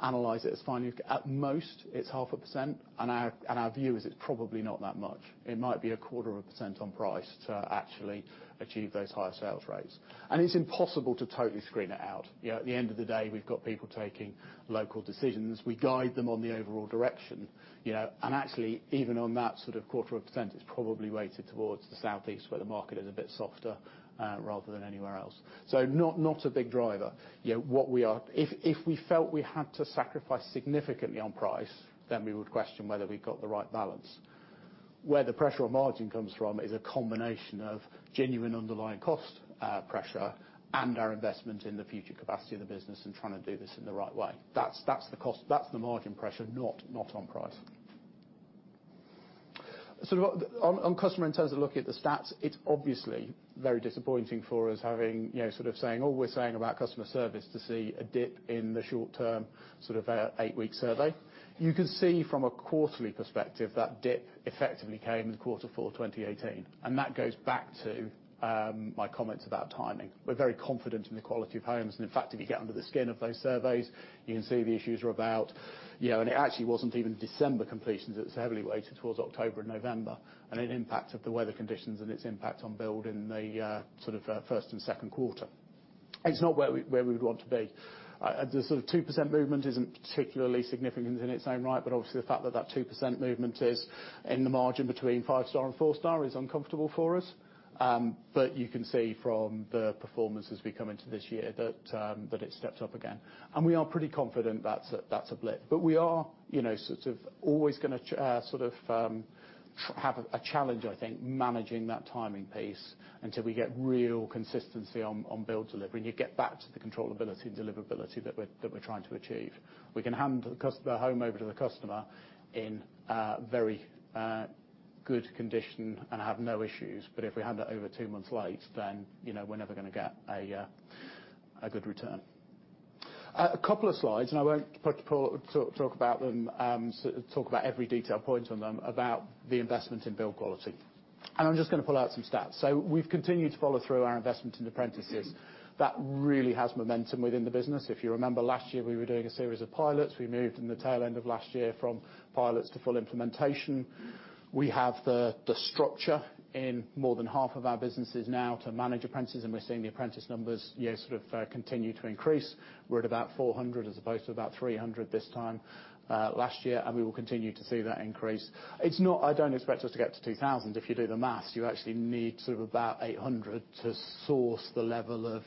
analyze it's fine. At most, it's half a %, and our view is it's probably not that much. It might be a quarter of a % on price to actually achieve those higher sales rates. It's impossible to totally screen it out. At the end of the day, we've got people taking local decisions. We guide them on the overall direction. Actually, even on that sort of quarter of a percent, it's probably weighted towards the Southeast where the market is a bit softer rather than anywhere else. Not a big driver. If we felt we had to sacrifice significantly on price, then we would question whether we got the right balance. Where the pressure on margin comes from is a combination of genuine underlying cost pressure and our investment in the future capacity of the business and trying to do this in the right way. That's the margin pressure, not on price. On customer in terms of looking at the stats, it's obviously very disappointing for us having saying all we're saying about customer service to see a dip in the short term eight-week survey. You can see from a quarterly perspective, that dip effectively came in quarter 4 2018, and that goes back to my comments about timing. We're very confident in the quality of homes. In fact, if you get under the skin of those surveys, you can see the issues are about. It actually wasn't even December completions. It was heavily weighted towards October and November, and it impacted the weather conditions and its impact on build in the first and second quarter. It's not where we would want to be. The sort of 2% movement isn't particularly significant in its own right, obviously the fact that that 2% movement is in the margin between 5-star and 4-star is uncomfortable for us. You can see from the performance as we come into this year that it's stepped up again. We are pretty confident that's a blip. We are always going to have a challenge, I think, managing that timing piece until we get real consistency on build delivery and you get back to the controllability and deliverability that we're trying to achieve. We can hand the home over to the customer in very good condition and have no issues. If we hand it over two months late, then we're never going to get a good return. A couple of slides, and I won't talk about every detail point on them, about the investment in build quality. I'm just going to pull out some stats. We've continued to follow through our investment in apprentices. That really has momentum within the business. If you remember last year, we were doing a series of pilots. We moved in the tail end of last year from pilots to full implementation. We have the structure in more than half of our businesses now to manage apprentices, and we're seeing the apprentice numbers continue to increase. We're at about 400 as opposed to about 300 this time last year, and we will continue to see that increase. I don't expect us to get to 2,000. If you do the math, you actually need sort of about 800 to source the level of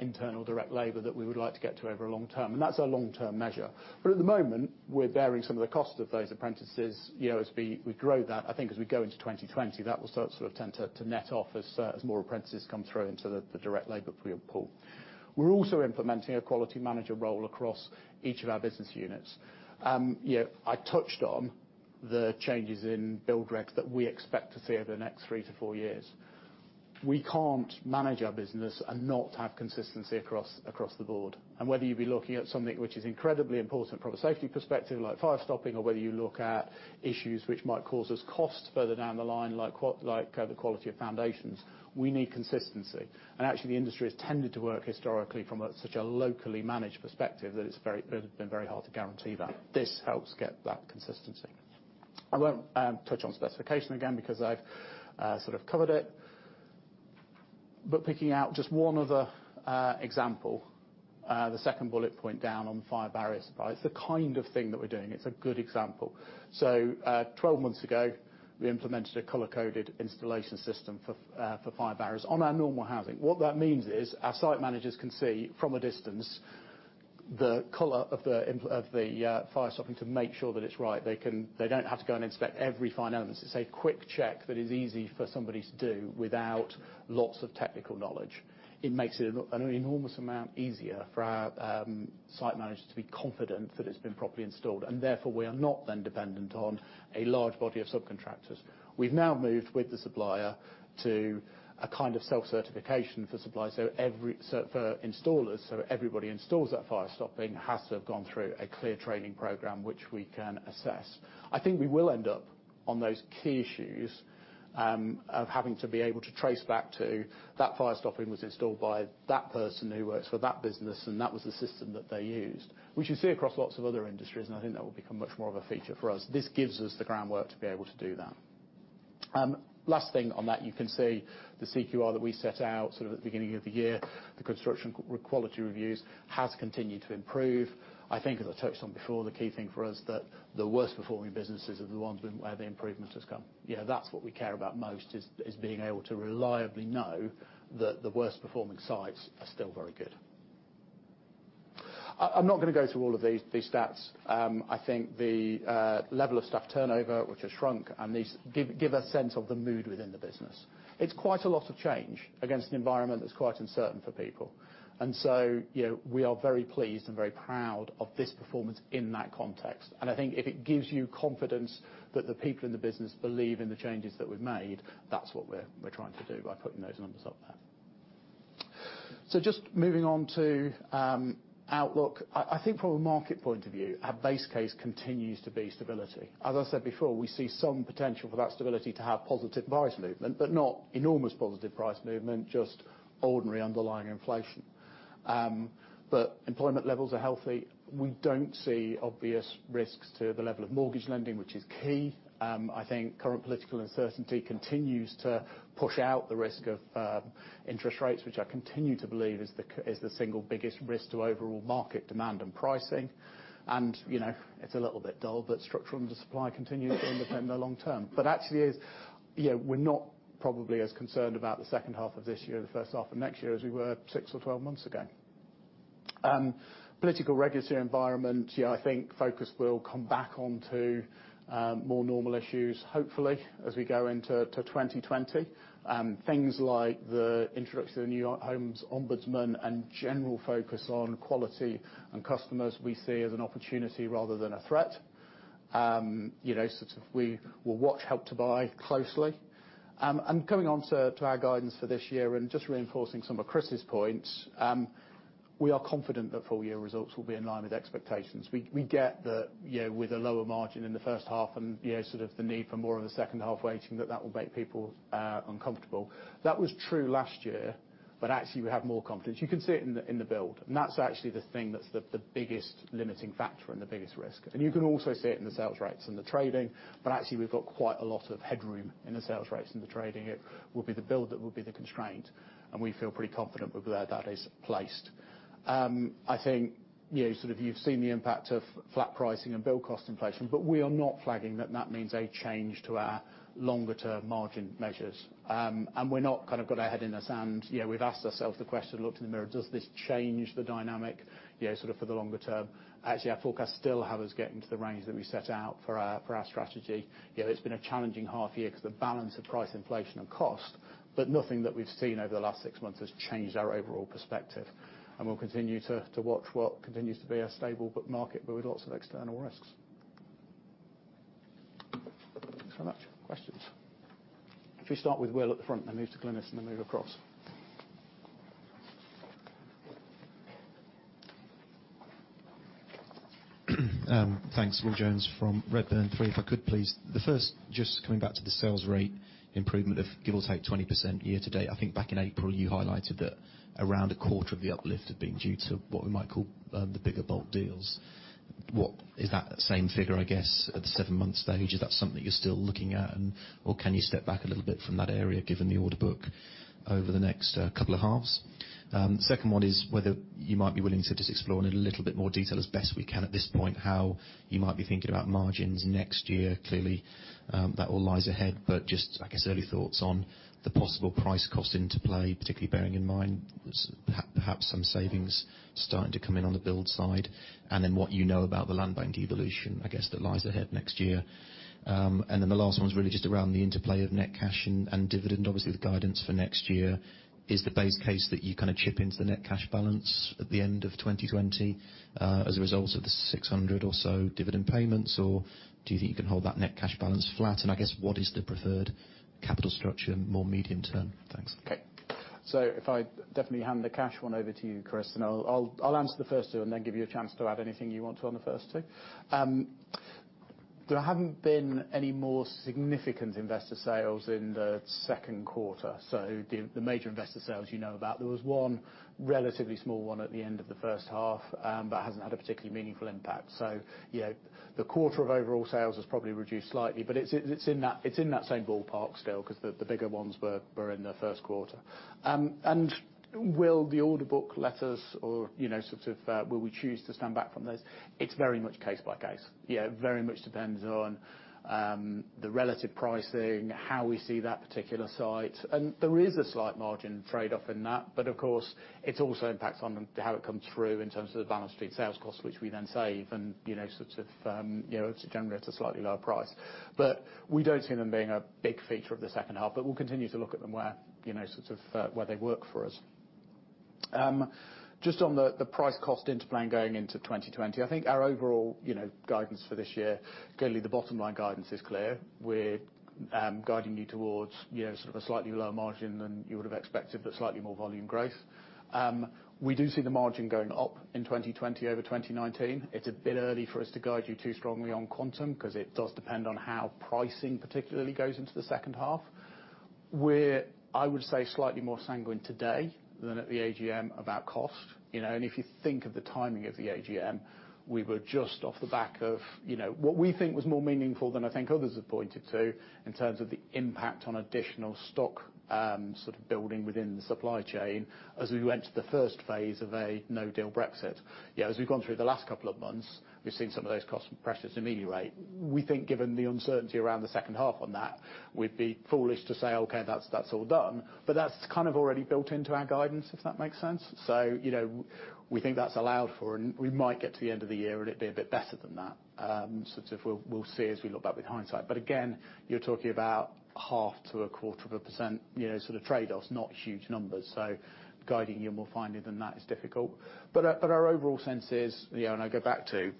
internal direct labor that we would like to get to over a long term, and that's a long-term measure. At the moment, we're bearing some of the cost of those apprentices as we grow that. As we go into 2020, that will start to sort of tend to net off as more apprentices come through into the direct labor pool. We're also implementing a quality manager role across each of our business units. I touched on the changes in build regs that we expect to see over the next three to four years. We can't manage our business and not have consistency across the board. Whether you be looking at something which is incredibly important from a safety perspective, like fire stopping, or whether you look at issues which might cause us costs further down the line, like the quality of foundations, we need consistency. Actually, the industry has tended to work historically from such a locally managed perspective that it's been very hard to guarantee that. This helps get that consistency. I won't touch on specification again because I've sort of covered it. Picking out just one other example, the second bullet point down on fire barrier supply. It's the kind of thing that we're doing. It's a good example. 12 months ago, we implemented a color-coded installation system for fire barriers on our normal housing. What that means is our site managers can see from a distance the color of the fire stopping to make sure that it's right. They don't have to go and inspect every fine element. It's a quick check that is easy for somebody to do without lots of technical knowledge. It makes it an enormous amount easier for our site managers to be confident that it's been properly installed, and therefore we are not then dependent on a large body of subcontractors. We've now moved with the supplier to a kind of self-certification for suppliers, so for installers, so everybody installs that fire stopping has to have gone through a clear training program which we can assess. I think we will end up on those key issues of having to be able to trace back to that fire stopping was installed by that person who works for that business, and that was the system that they used, which you see across lots of other industries, and I think that will become much more of a feature for us. This gives us the groundwork to be able to do that. Last thing on that, you can see the CQR that we set out sort of at the beginning of the year. The Construction Quality Reviews has continued to improve. I think, as I touched on before, the key thing for us that the worst performing businesses are the ones where the improvement has come. That's what we care about most, is being able to reliably know that the worst performing sites are still very good. I'm not going to go through all of these stats. I think the level of staff turnover, which has shrunk, and these give a sense of the mood within the business. It's quite a lot of change against an environment that's quite uncertain for people. We are very pleased and very proud of this performance in that context. I think if it gives you confidence that the people in the business believe in the changes that we've made, that's what we're trying to do by putting those numbers up there. Just moving on to outlook. I think from a market point of view, our base case continues to be stability. As I said before, we see some potential for that stability to have positive price movement, but not enormous positive price movement, just ordinary underlying inflation. Employment levels are healthy. We don't see obvious risks to the level of mortgage lending, which is key. I think current political uncertainty continues to push out the risk of interest rates, which I continue to believe is the single biggest risk to overall market demand and pricing. It's a little bit dull, but structural undersupply continues to underpin the long term. Actually, we're not probably as concerned about the second half of this year or the first half of next year as we were 6 or 12 months ago. Political regulatory environment, I think focus will come back onto more normal issues, hopefully, as we go into 2020. Things like the introduction of the New Homes Ombudsman and general focus on quality and customers we see as an opportunity rather than a threat. We will watch Help to Buy closely. Coming on to our guidance for this year and just reinforcing some of Chris's points, we are confident that full year results will be in line with expectations. We get that with a lower margin in the first half and sort of the need for more of the second half weighting, that will make people uncomfortable. That was true last year. Actually, we have more confidence. You can see it in the build, and that's actually the thing that's the biggest limiting factor and the biggest risk. You can also see it in the sales rates and the trading, actually, we've got quite a lot of headroom in the sales rates and the trading. It will be the build that will be the constraint, and we feel pretty confident with where that is placed. I think you've seen the impact of flat pricing and build cost inflation, but we are not flagging that that means a change to our longer term margin measures. We've not got our head in the sand. We've asked ourselves the question, looked in the mirror, does this change the dynamic sort of for the longer term. Actually, our forecast still have us getting to the range that we set out for our strategy. It's been a challenging half year because the balance of price inflation and cost, but nothing that we've seen over the last six months has changed our overall perspective. We'll continue to watch what continues to be a stable but marked market, but with lots of external risks. Thanks very much. Questions. If we start with Will up the front, then move to Glynis, and then move across. Thanks. Will Jones from Redburn. Three, if I could please. The first, just coming back to the sales rate improvement of give or take 20% year to date. I think back in April you highlighted that around a quarter of the uplift had been due to what we might call the bigger bulk deals. What is that same figure, I guess, at the seven month stage? Is that something you're still looking at or can you step back a little bit from that area given the order book over the next couple of halves? Second one is whether you might be willing to just explore in a little bit more detail, as best we can at this point, how you might be thinking about margins next year. Clearly, that all lies ahead, but just I guess early thoughts on the possible price cost interplay, particularly bearing in mind perhaps some savings starting to come in on the build side. What you know about the land bank devolution, I guess, that lies ahead next year. The last one is really just around the interplay of net cash and dividend, obviously the guidance for next year. Is the base case that you kind of chip into the net cash balance at the end of 2020 as a result of the 600 or so dividend payments, or do you think you can hold that net cash balance flat? I guess what is the preferred capital structure more medium term? Thanks. If I definitely hand the cash one over to you, Chris, and I'll answer the first two and then give you a chance to add anything you want to on the first two. There haven't been any more significant investor sales in the second quarter. The major investor sales you know about, there was one relatively small one at the end of the first half, but it hasn't had a particularly meaningful impact. The quarter of overall sales has probably reduced slightly, but it's in that same ballpark still because the bigger ones were in the first quarter. Will the order book let us, or will we choose to stand back from those? It's very much case by case. Very much depends on the relative pricing, how we see that particular site. There is a slight margin trade-off in that. Of course, it also impacts on how it comes through in terms of the balance sheet sales cost, which we then save and generates a slightly lower price. We don't see them being a big feature of the second half, but we'll continue to look at them where they work for us. Just on the price cost interplay going into 2020, I think our overall guidance for this year, clearly the bottom line guidance is clear. We're guiding you towards sort of a slightly lower margin than you would have expected, but slightly more volume growth. We do see the margin going up in 2020 over 2019. It's a bit early for us to guide you too strongly on quantum because it does depend on how pricing particularly goes into the second half. We're, I would say, slightly more sanguine today than at the AGM about cost. If you think of the timing of the AGM, we were just off the back of what we think was more meaningful than I think others have pointed to in terms of the impact on additional stock building within the supply chain as we went to the first phase of a no-deal Brexit. As we've gone through the last couple of months, we've seen some of those cost pressures ameliorate. We think given the uncertainty around the second half on that, we'd be foolish to say, okay, that's all done. That's kind of already built into our guidance, if that makes sense. We think that's allowed for, and we might get to the end of the year, and it'd be a bit better than that. We'll see as we look back with hindsight. Again, you're talking about half to a quarter of a % sort of trade-offs, not huge numbers. Guiding you more finely than that is difficult. Our overall sense is, and I go back to,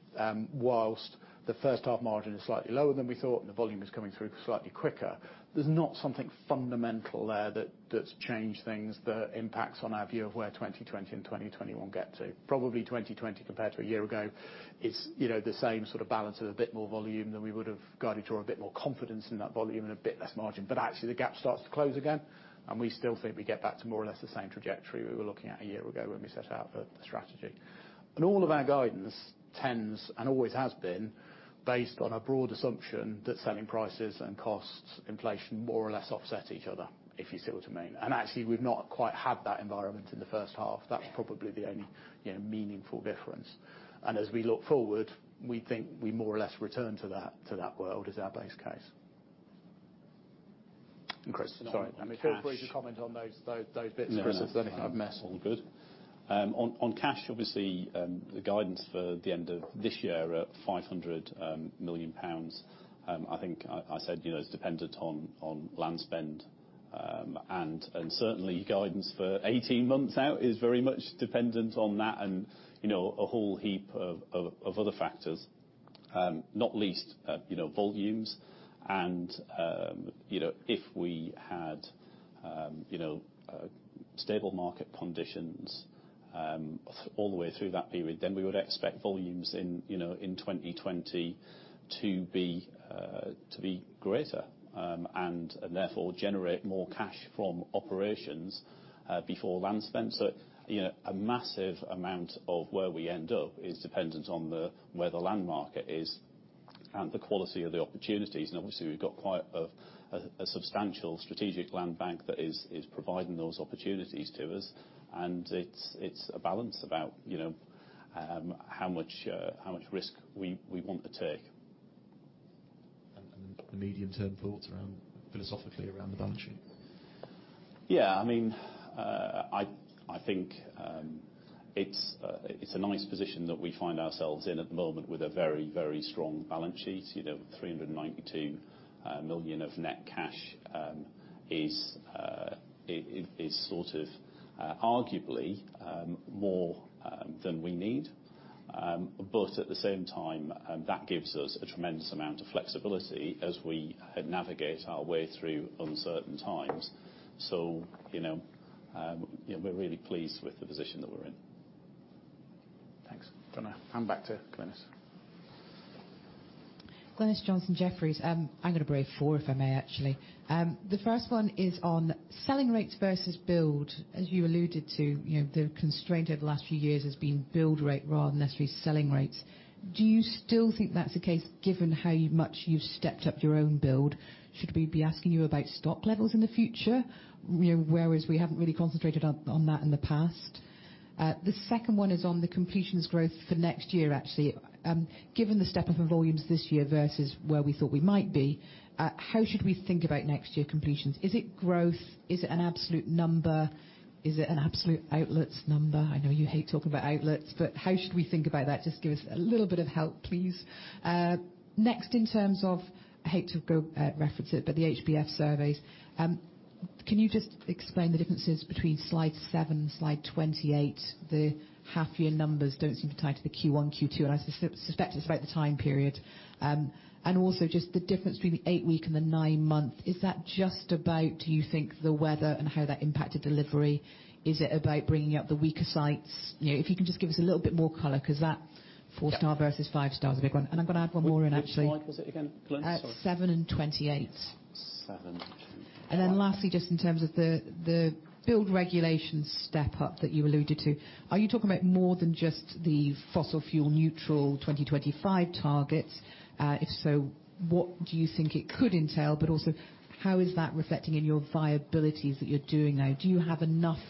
whilst the first half margin is slightly lower than we thought, and the volume is coming through slightly quicker, there's not something fundamental there that's changed things that impacts on our view of where 2020 and 2021 get to. Probably 2020 compared to a year ago is the same sort of balance of a bit more volume than we would have guided toward a bit more confidence in that volume and a bit less margin. Actually, the gap starts to close again, and we still think we get back to more or less the same trajectory we were looking at a year ago when we set out the strategy. All of our guidance tends and always has been based on a broad assumption that selling prices and costs, inflation, more or less offset each other, if you see what I mean. Actually, we've not quite had that environment in the first half. That's probably the only meaningful difference. As we look forward, we think we more or less return to that world as our base case. Chris, sorry. on cash- Feel free to comment on those bits, Chris, if there's anything I've missed. No, all good. On cash, obviously, the guidance for the end of this year, £500 million. I think I said it's dependent on land spend. Certainly, guidance for 18 months out is very much dependent on that and a whole heap of other factors, not least volumes. If we had stable market conditions all the way through that period, then we would expect volumes in 2020 to be greater, and therefore generate more cash from operations before land spend. A massive amount of where we end up is dependent on where the land market is and the quality of the opportunities. Obviously, we've got quite a substantial strategic land bank that is providing those opportunities to us. It's a balance about how much risk we want to take. The medium-term thoughts philosophically around the balance sheet? Yeah, I think it's a nice position that we find ourselves in at the moment with a very, very strong balance sheet. 392 million of net cash is sort of arguably more than we need. At the same time, that gives us a tremendous amount of flexibility as we navigate our way through uncertain times. We're really pleased with the position that we're in. Thanks. Going to hand back to Glynis. Glynis Johnson, Jefferies. I'm going to brave four, if I may, actually. The first one is on selling rates versus build. As you alluded to, the constraint over the last few years has been build rate rather than necessarily selling rates. Do you still think that's the case given how much you've stepped up your own build? Should we be asking you about stock levels in the future? Whereas we haven't really concentrated on that in the past. The second one is on the completions growth for next year, actually. Given the step-up in volumes this year versus where we thought we might be, how should we think about next year completions? Is it growth? Is it an absolute number? Is it an absolute outlets number? I know you hate talking about outlets, but how should we think about that? Just give us a little bit of help, please. In terms of, I hate to reference it, but the HBF surveys. Can you just explain the differences between slide seven and slide 28? The half year numbers don't seem to tie to the Q1, Q2, I suspect it's about the time period. Also just the difference between the eight week and the nine month. Is that just about, do you think, the weather and how that impacted delivery? Is it about bringing up the weaker sites? If you can just give us a little bit more color, because that four star versus five star is a big one. I'm going to add one more in, actually. Which slide was it again, Glynis? Sorry. Seven and 28. Seven and 28. Lastly, just in terms of the build regulations step up that you alluded to, are you talking about more than just the fossil fuel neutral 2025 targets? If so, what do you think it could entail, but also how is that reflecting in your viabilities that you're doing now? Do you have enough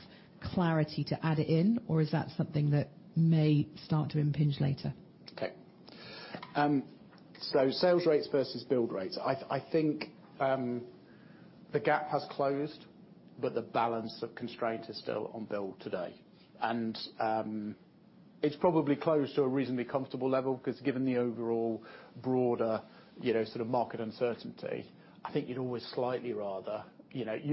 clarity to add it in, or is that something that may start to impinge later? Okay. Sales rates versus build rates. I think the gap has closed, but the balance of constraint is still on build today. It's probably closed to a reasonably comfortable level, because given the overall broader sort of market uncertainty, I think you'd always slightly rather, you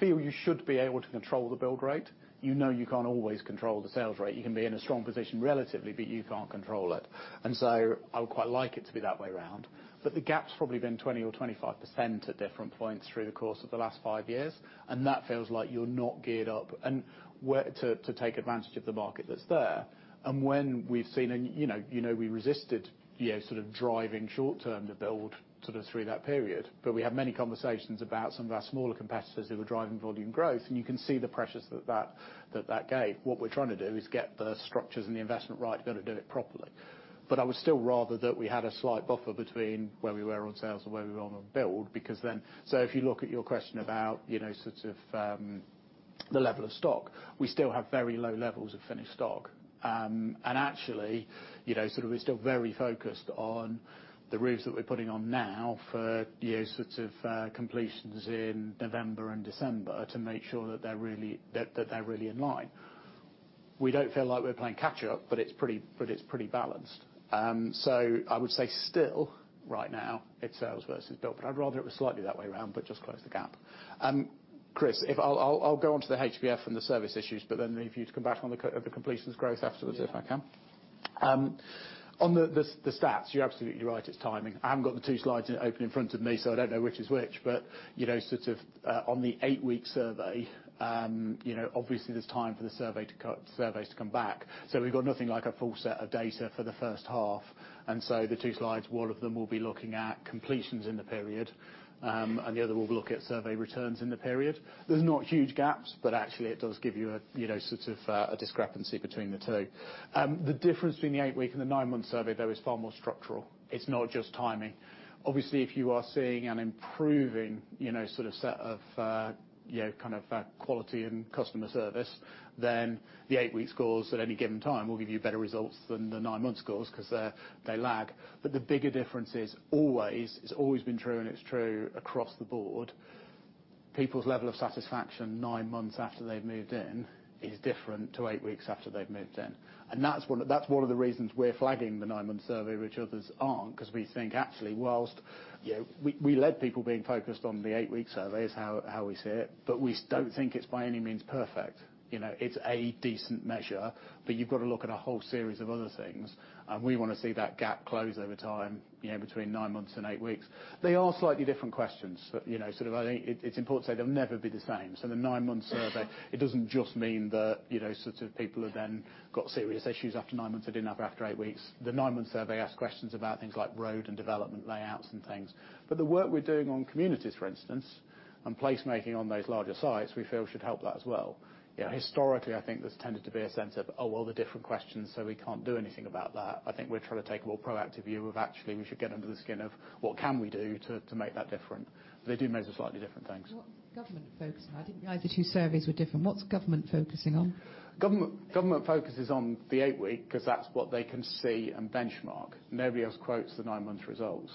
feel you should be able to control the build rate. You know you can't always control the sales rate. You can be in a strong position relatively, but you can't control it. I would quite like it to be that way round. The gap's probably been 20% or 25% at different points through the course of the last five years. That feels like you're not geared up to take advantage of the market that's there. We resisted sort of driving short term the build sort of through that period. We had many conversations about some of our smaller competitors who were driving volume growth, and you can see the pressures that gave. What we're trying to do is get the structures and the investment right to be able to do it properly. I would still rather that we had a slight buffer between where we were on sales and where we were on build because then, so if you look at your question about sort of the level of stock. We still have very low levels of finished stock. Actually, sort of we're still very focused on the roofs that we're putting on now for sorts of completions in November and December to make sure that they're really in line. We don't feel like we're playing catch up, but it's pretty balanced. I would say still, right now, it's sales versus build, but I'd rather it was slightly that way round, but just close the gap. Chris, I'll go onto the HBF and the service issues, but then I need you to come back on the completions growth after, if I can. Yeah. On the stats, you're absolutely right, it's timing. I haven't got the two slides open in front of me, so I don't know which is which. Sort of on the eight-week survey, obviously there's time for the surveys to come back. We've got nothing like a full set of data for the first half. The two slides, one of them will be looking at completions in the period, and the other will look at survey returns in the period. There's not huge gaps, but actually it does give you a sort of discrepancy between the two. The difference between the eight week and the nine month survey, though, is far more structural. It's not just timing. Obviously, if you are seeing an improving sort of set of quality in customer service, then the eight week scores at any given time will give you better results than the nine month scores because they lag. The bigger difference is always, it's always been true and it's true across the board. People's level of satisfaction nine months after they've moved in is different to eight weeks after they've moved in. That's one of the reasons we're flagging the nine-month survey, which others aren't, because we think actually whilst we led people being focused on the eight-week survey is how we see it, we don't think it's by any means perfect. It's a decent measure, you've got to look at a whole series of other things, and we want to see that gap close over time, between nine months and eight weeks. They are slightly different questions. I think it's important to say they'll never be the same. The nine-month survey, it doesn't just mean that sort of people have then got serious issues after nine months they didn't have after eight weeks. The nine-month survey asks questions about things like road and development layouts and things. The work we're doing on communities, for instance, and place making on those larger sites, we feel should help that as well. Yeah. Historically, I think there's tended to be a sense of, oh, well, they're different questions, we can't do anything about that. I think we're trying to take a more proactive view of actually, we should get under the skin of what can we do to make that different. They do measure slightly different things. What government focusing on? I think the two surveys were different. What's government focusing on? Government focuses on the eight week because that's what they can see and benchmark. Nobody else quotes the nine month results.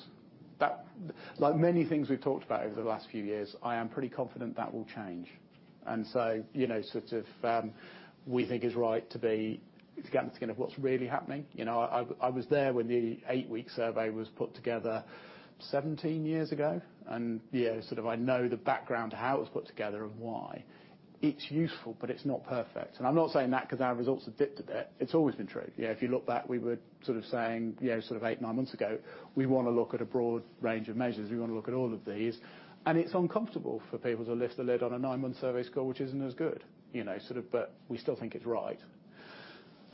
Like many things we've talked about over the last few years, I am pretty confident that will change. Sort of we think it's right to get into kind of what's really happening. I was there when the eight week survey was put together 17 years ago, and I know the background to how it was put together and why. It's useful, but it's not perfect. And I'm not saying that because our results have dipped a bit. It's always been true. If you look back, we were sort of saying eight, nine months ago, we want to look at a broad range of measures. We want to look at all of these. It's uncomfortable for people to lift the lid on a nine-month survey score which isn't as good. We still think it's right.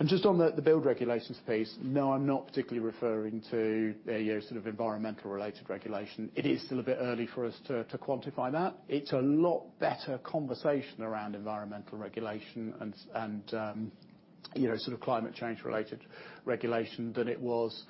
Just on the build regulations piece, no, I'm not particularly referring to sort of environmental related regulation. It is still a bit early for us to quantify that. It's a lot better conversation around environmental regulation and sort of climate change related regulation than it was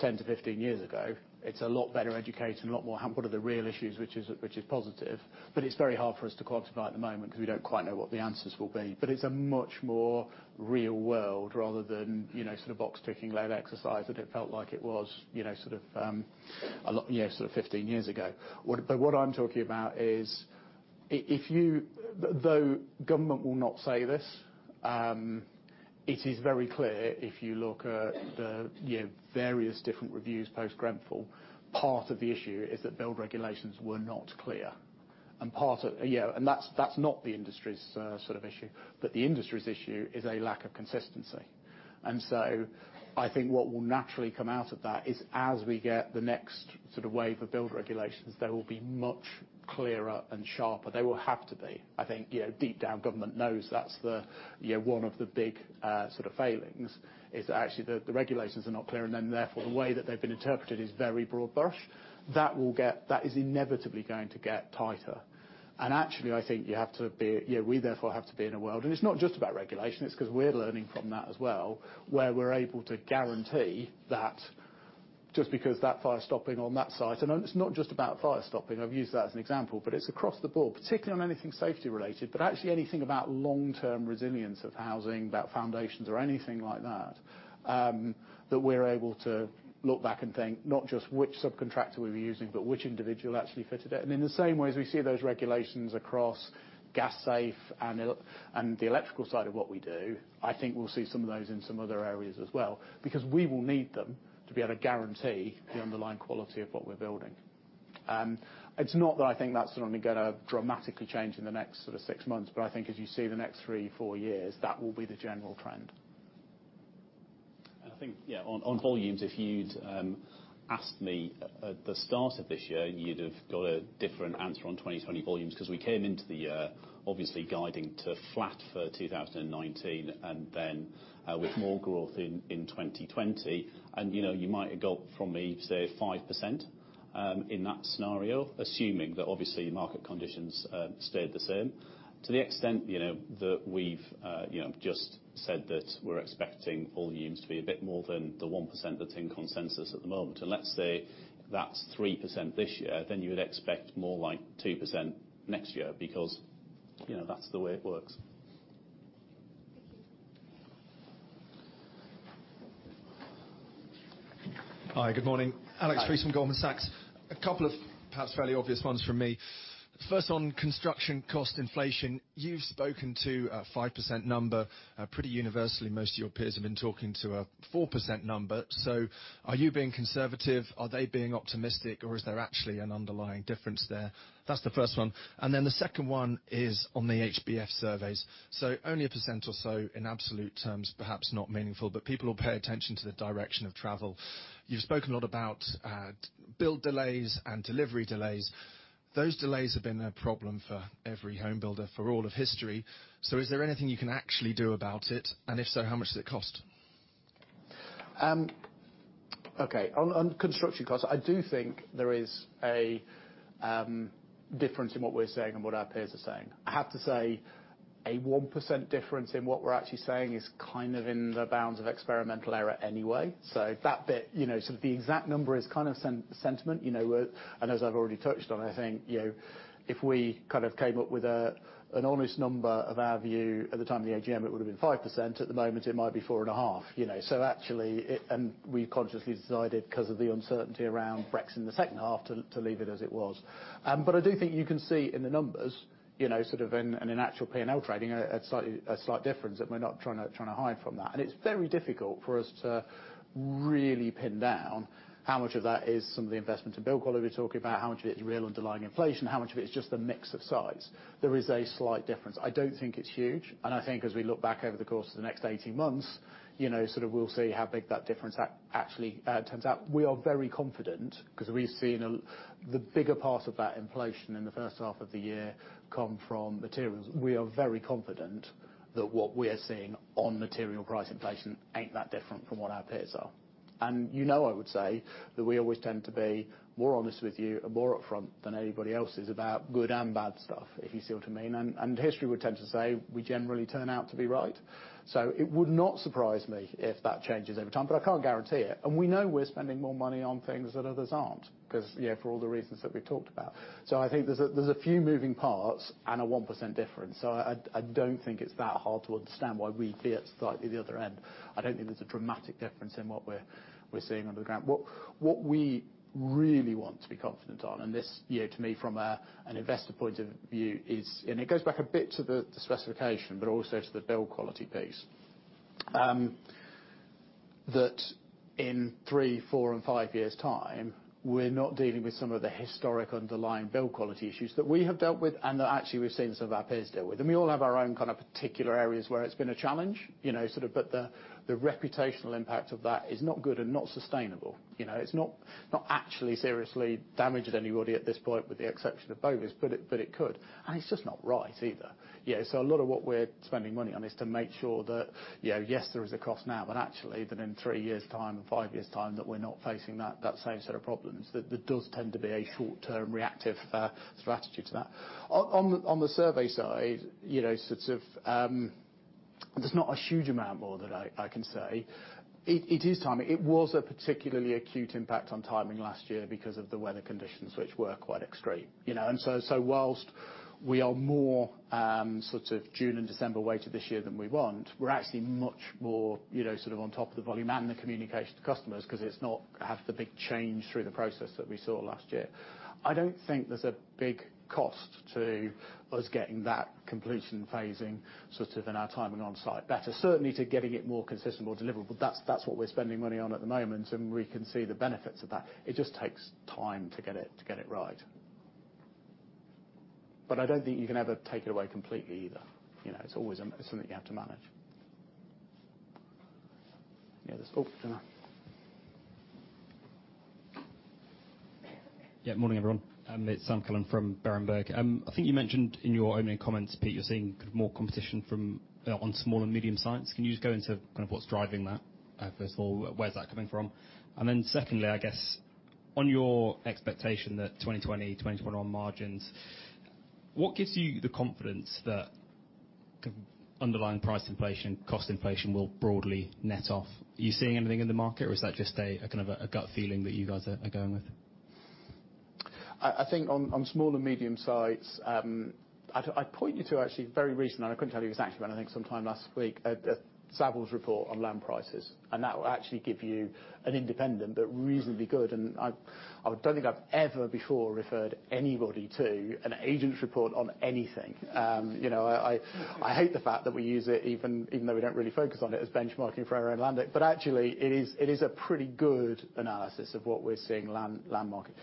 10-15 years ago. It's a lot better educated and a lot more what are the real issues, which is positive. It's very hard for us to quantify at the moment because we don't quite know what the answers will be. It's a much more real world rather than sort of box ticking led exercise that it felt like it was sort of 15 years ago. What I'm talking about is, though government will not say this. It is very clear, if you look at the various different reviews post-Grenfell, part of the issue is that build regulations were not clear. That's not the industry's issue, but the industry's issue is a lack of consistency. I think what will naturally come out of that is as we get the next wave of build regulations, they will be much clearer and sharper. They will have to be. I think deep down, government knows that's one of the big failings, is actually the regulations are not clear and then therefore, the way that they've been interpreted is very broad brush. That is inevitably going to get tighter. Actually, I think we therefore have to be in a world, and it's not just about regulation, it's because we're learning from that as well, where we're able to guarantee that just because that fire stopping on that site, and it's not just about fire stopping, I've used that as an example, but it's across the board, particularly on anything safety related. Actually anything about long-term resilience of housing, about foundations or anything like that we're able to look back and think not just which subcontractor we were using, but which individual actually fitted it. In the same way as we see those regulations across Gas Safe and the electrical side of what we do, I think we'll see some of those in some other areas as well. Because we will need them to be able to guarantee the underlying quality of what we're building. It's not that I think that's going to dramatically change in the next six months, but I think as you see the next three, four years, that will be the general trend. I think on volumes, if you'd asked me at the start of this year, you'd have got a different answer on 2020 volumes because we came into the year, obviously guiding to flat for 2019 and then with more growth in 2020. You might have got from me, say, 5% in that scenario, assuming that obviously market conditions stayed the same. To the extent that we've just said that we're expecting volumes to be a bit more than the 1% that's in consensus at the moment. Let's say that's 3% this year, then you would expect more like 2% next year, because that's the way it works. Thank you. Hi, good morning. Hi. Alex Free from Goldman Sachs. A couple of perhaps fairly obvious ones from me. First, on construction cost inflation, you've spoken to a 5% number. Pretty universally, most of your peers have been talking to a 4% number. Are you being conservative? Are they being optimistic? Or is there actually an underlying difference there? That's the first one. The second one is on the HBF surveys. Only a percent or so in absolute terms, perhaps not meaningful, but people will pay attention to the direction of travel. You've spoken a lot about build delays and delivery delays. Those delays have been a problem for every home builder for all of history. Is there anything you can actually do about it? And if so, how much does it cost? Okay. On construction costs, I do think there is a difference in what we're saying and what our peers are saying. I have to say a 1% difference in what we're actually saying is kind of in the bounds of experimental error anyway. That bit, sort of the exact number is kind of sentiment. As I've already touched on, I think, if we came up with an honest number of our view at the time of the AGM, it would have been 5%. At the moment, it might be four and a half%. We consciously decided because of the uncertainty around Brexit in the second half to leave it as it was. I do think you can see in the numbers, sort of in an actual P&L trading, a slight difference and we're not trying to hide from that. It's very difficult for us to really pin down how much of that is some of the investment in build quality we're talking about, how much of it is real underlying inflation, how much of it is just the mix of size. There is a slight difference. I don't think it's huge. I think as we look back over the course of the next 18 months, we'll see how big that difference actually turns out. We are very confident because we've seen the bigger part of that inflation in the first half of the year come from materials. We are very confident that what we are seeing on material price inflation ain't that different from what our peers are. You know I would say that we always tend to be more honest with you and more upfront than anybody else is about good and bad stuff, if you see what I mean. History would tend to say we generally turn out to be right. It would not surprise me if that changes over time, but I can't guarantee it. We know we're spending more money on things that others aren't because for all the reasons that we've talked about. I think there's a few moving parts and a 1% difference. I don't think it's that hard to understand why we appear slightly at the other end. I don't think there's a dramatic difference in what we're seeing under the ground. What we really want to be confident on, this to me from an investor point of view is, and it goes back a bit to the specification, but also to the build quality piece. That in three, four and five years time, we're not dealing with some of the historic underlying build quality issues that we have dealt with and that actually we've seen some of our peers deal with. We all have our own kind of particular areas where it's been a challenge. The reputational impact of that is not good and not sustainable. It's not actually seriously damaged anybody at this point with the exception of Bovis, but it could. It's just not right either. A lot of what we're spending money on is to make sure that, yes, there is a cost now, but actually that in three years time and five years time, that we're not facing that same set of problems. That does tend to be a short-term reactive strategy to that. On the survey side, there's not a huge amount more that I can say. It is timing. It was a particularly acute impact on timing last year because of the weather conditions, which were quite extreme. Whilst we are more sort of June- and December-weighted this year than we want, we're actually much more on top of the volume and the communication to customers because it's not half the big change through the process that we saw last year. I don't think there's a big cost to us getting that completion phasing in our timing on site better, certainly to getting it more consistent or deliverable. That's what we're spending money on at the moment, and we can see the benefits of that. It just takes time to get it right. I don't think you can ever take it away completely either. It's always something you have to manage. Yeah. Oh, Jenna. Yeah. Morning, everyone. It's Sam Cullen from Berenberg. I think you mentioned in your opening comments, Pete, you're seeing more competition on small and medium sites. Can you just go into what's driving that, first of all? Where's that coming from? Secondly, I guess, on your expectation that 2020, 2021 margins, what gives you the confidence that underlying price inflation, cost inflation will broadly net off? Are you seeing anything in the market or is that just a gut feeling that you guys are going with? I think on small and medium sites, I'd point you to actually very recent, and I couldn't tell you exactly when. I think sometime last week, a Savills report on land prices, and that will actually give you an independent but reasonably good. I don't think I've ever before referred anybody to an agent's report on anything. I hate the fact that we use it, even though we don't really focus on it as benchmarking for our own land. Actually, it is a pretty good analysis of what we're seeing land market-wise.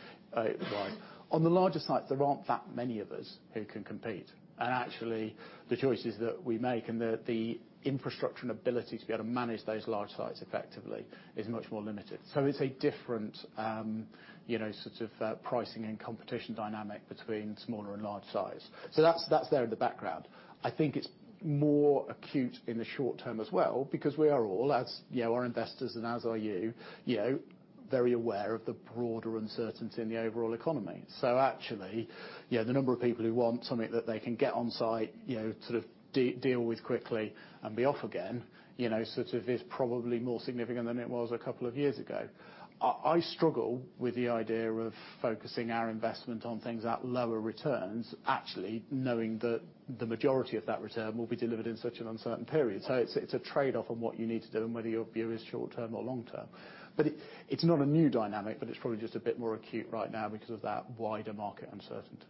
On the larger sites, there aren't that many of us who can compete. Actually, the choices that we make and the infrastructure and ability to be able to manage those large sites effectively is much more limited. It's a different sort of pricing and competition dynamic between smaller and large sites. That's there in the background. I think it's more acute in the short term as well, because we are all, as our investors and as are you, very aware of the broader uncertainty in the overall economy. Actually, the number of people who want something that they can get on site, sort of deal with quickly and be off again, sort of is probably more significant than it was a couple of years ago. I struggle with the idea of focusing our investment on things at lower returns, actually knowing that the majority of that return will be delivered in such an uncertain period. It's a trade-off on what you need to do and whether your view is short term or long term. It's not a new dynamic, but it's probably just a bit more acute right now because of that wider market uncertainty.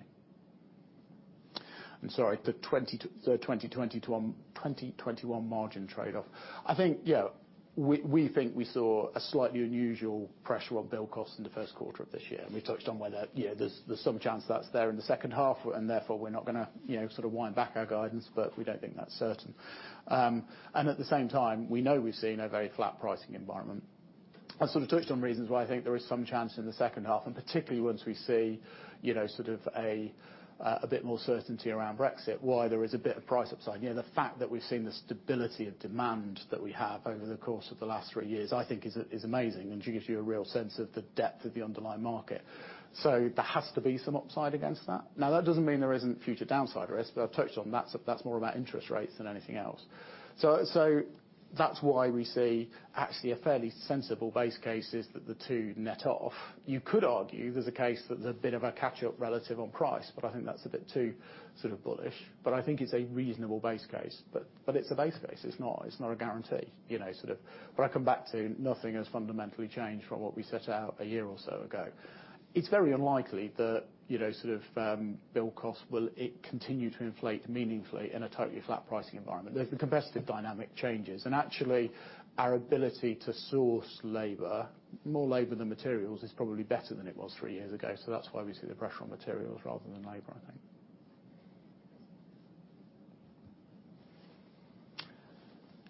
Sorry, the 2020 to 2021 margin trade-off. I think, yeah, we think we saw a slightly unusual pressure on build costs in the first quarter of this year, and we touched on where there's some chance that's there in the second half and therefore we're not going to sort of wind back our guidance, but we don't think that's certain. At the same time, we know we've seen a very flat pricing environment. I sort of touched on reasons why I think there is some chance in the second half, and particularly once we see sort of a bit more certainty around Brexit, why there is a bit of price upside. The fact that we've seen the stability of demand that we have over the course of the last three years, I think is amazing and gives you a real sense of the depth of the underlying market. There has to be some upside against that. That doesn't mean there isn't future downside risk, but I've touched on that. That's more about interest rates than anything else. That's why we see actually a fairly sensible base case is that the two net off. You could argue there's a case that there's a bit of a catch-up relative on price, but I think that's a bit too sort of bullish. I think it's a reasonable base case. It's a base case. It's not a guarantee. I come back to nothing has fundamentally changed from what we set out a year or so ago. It's very unlikely that sort of build costs will continue to inflate meaningfully in a totally flat pricing environment. The competitive dynamic changes, actually, our ability to source labor, more labor than materials, is probably better than it was three years ago. That's why we see the pressure on materials rather than labor, I think.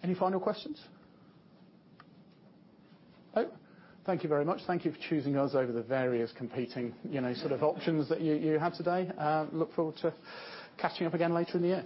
Any final questions? No? Thank you very much. Thank you for choosing us over the various competing sort of options that you had today. Look forward to catching up again later in the year.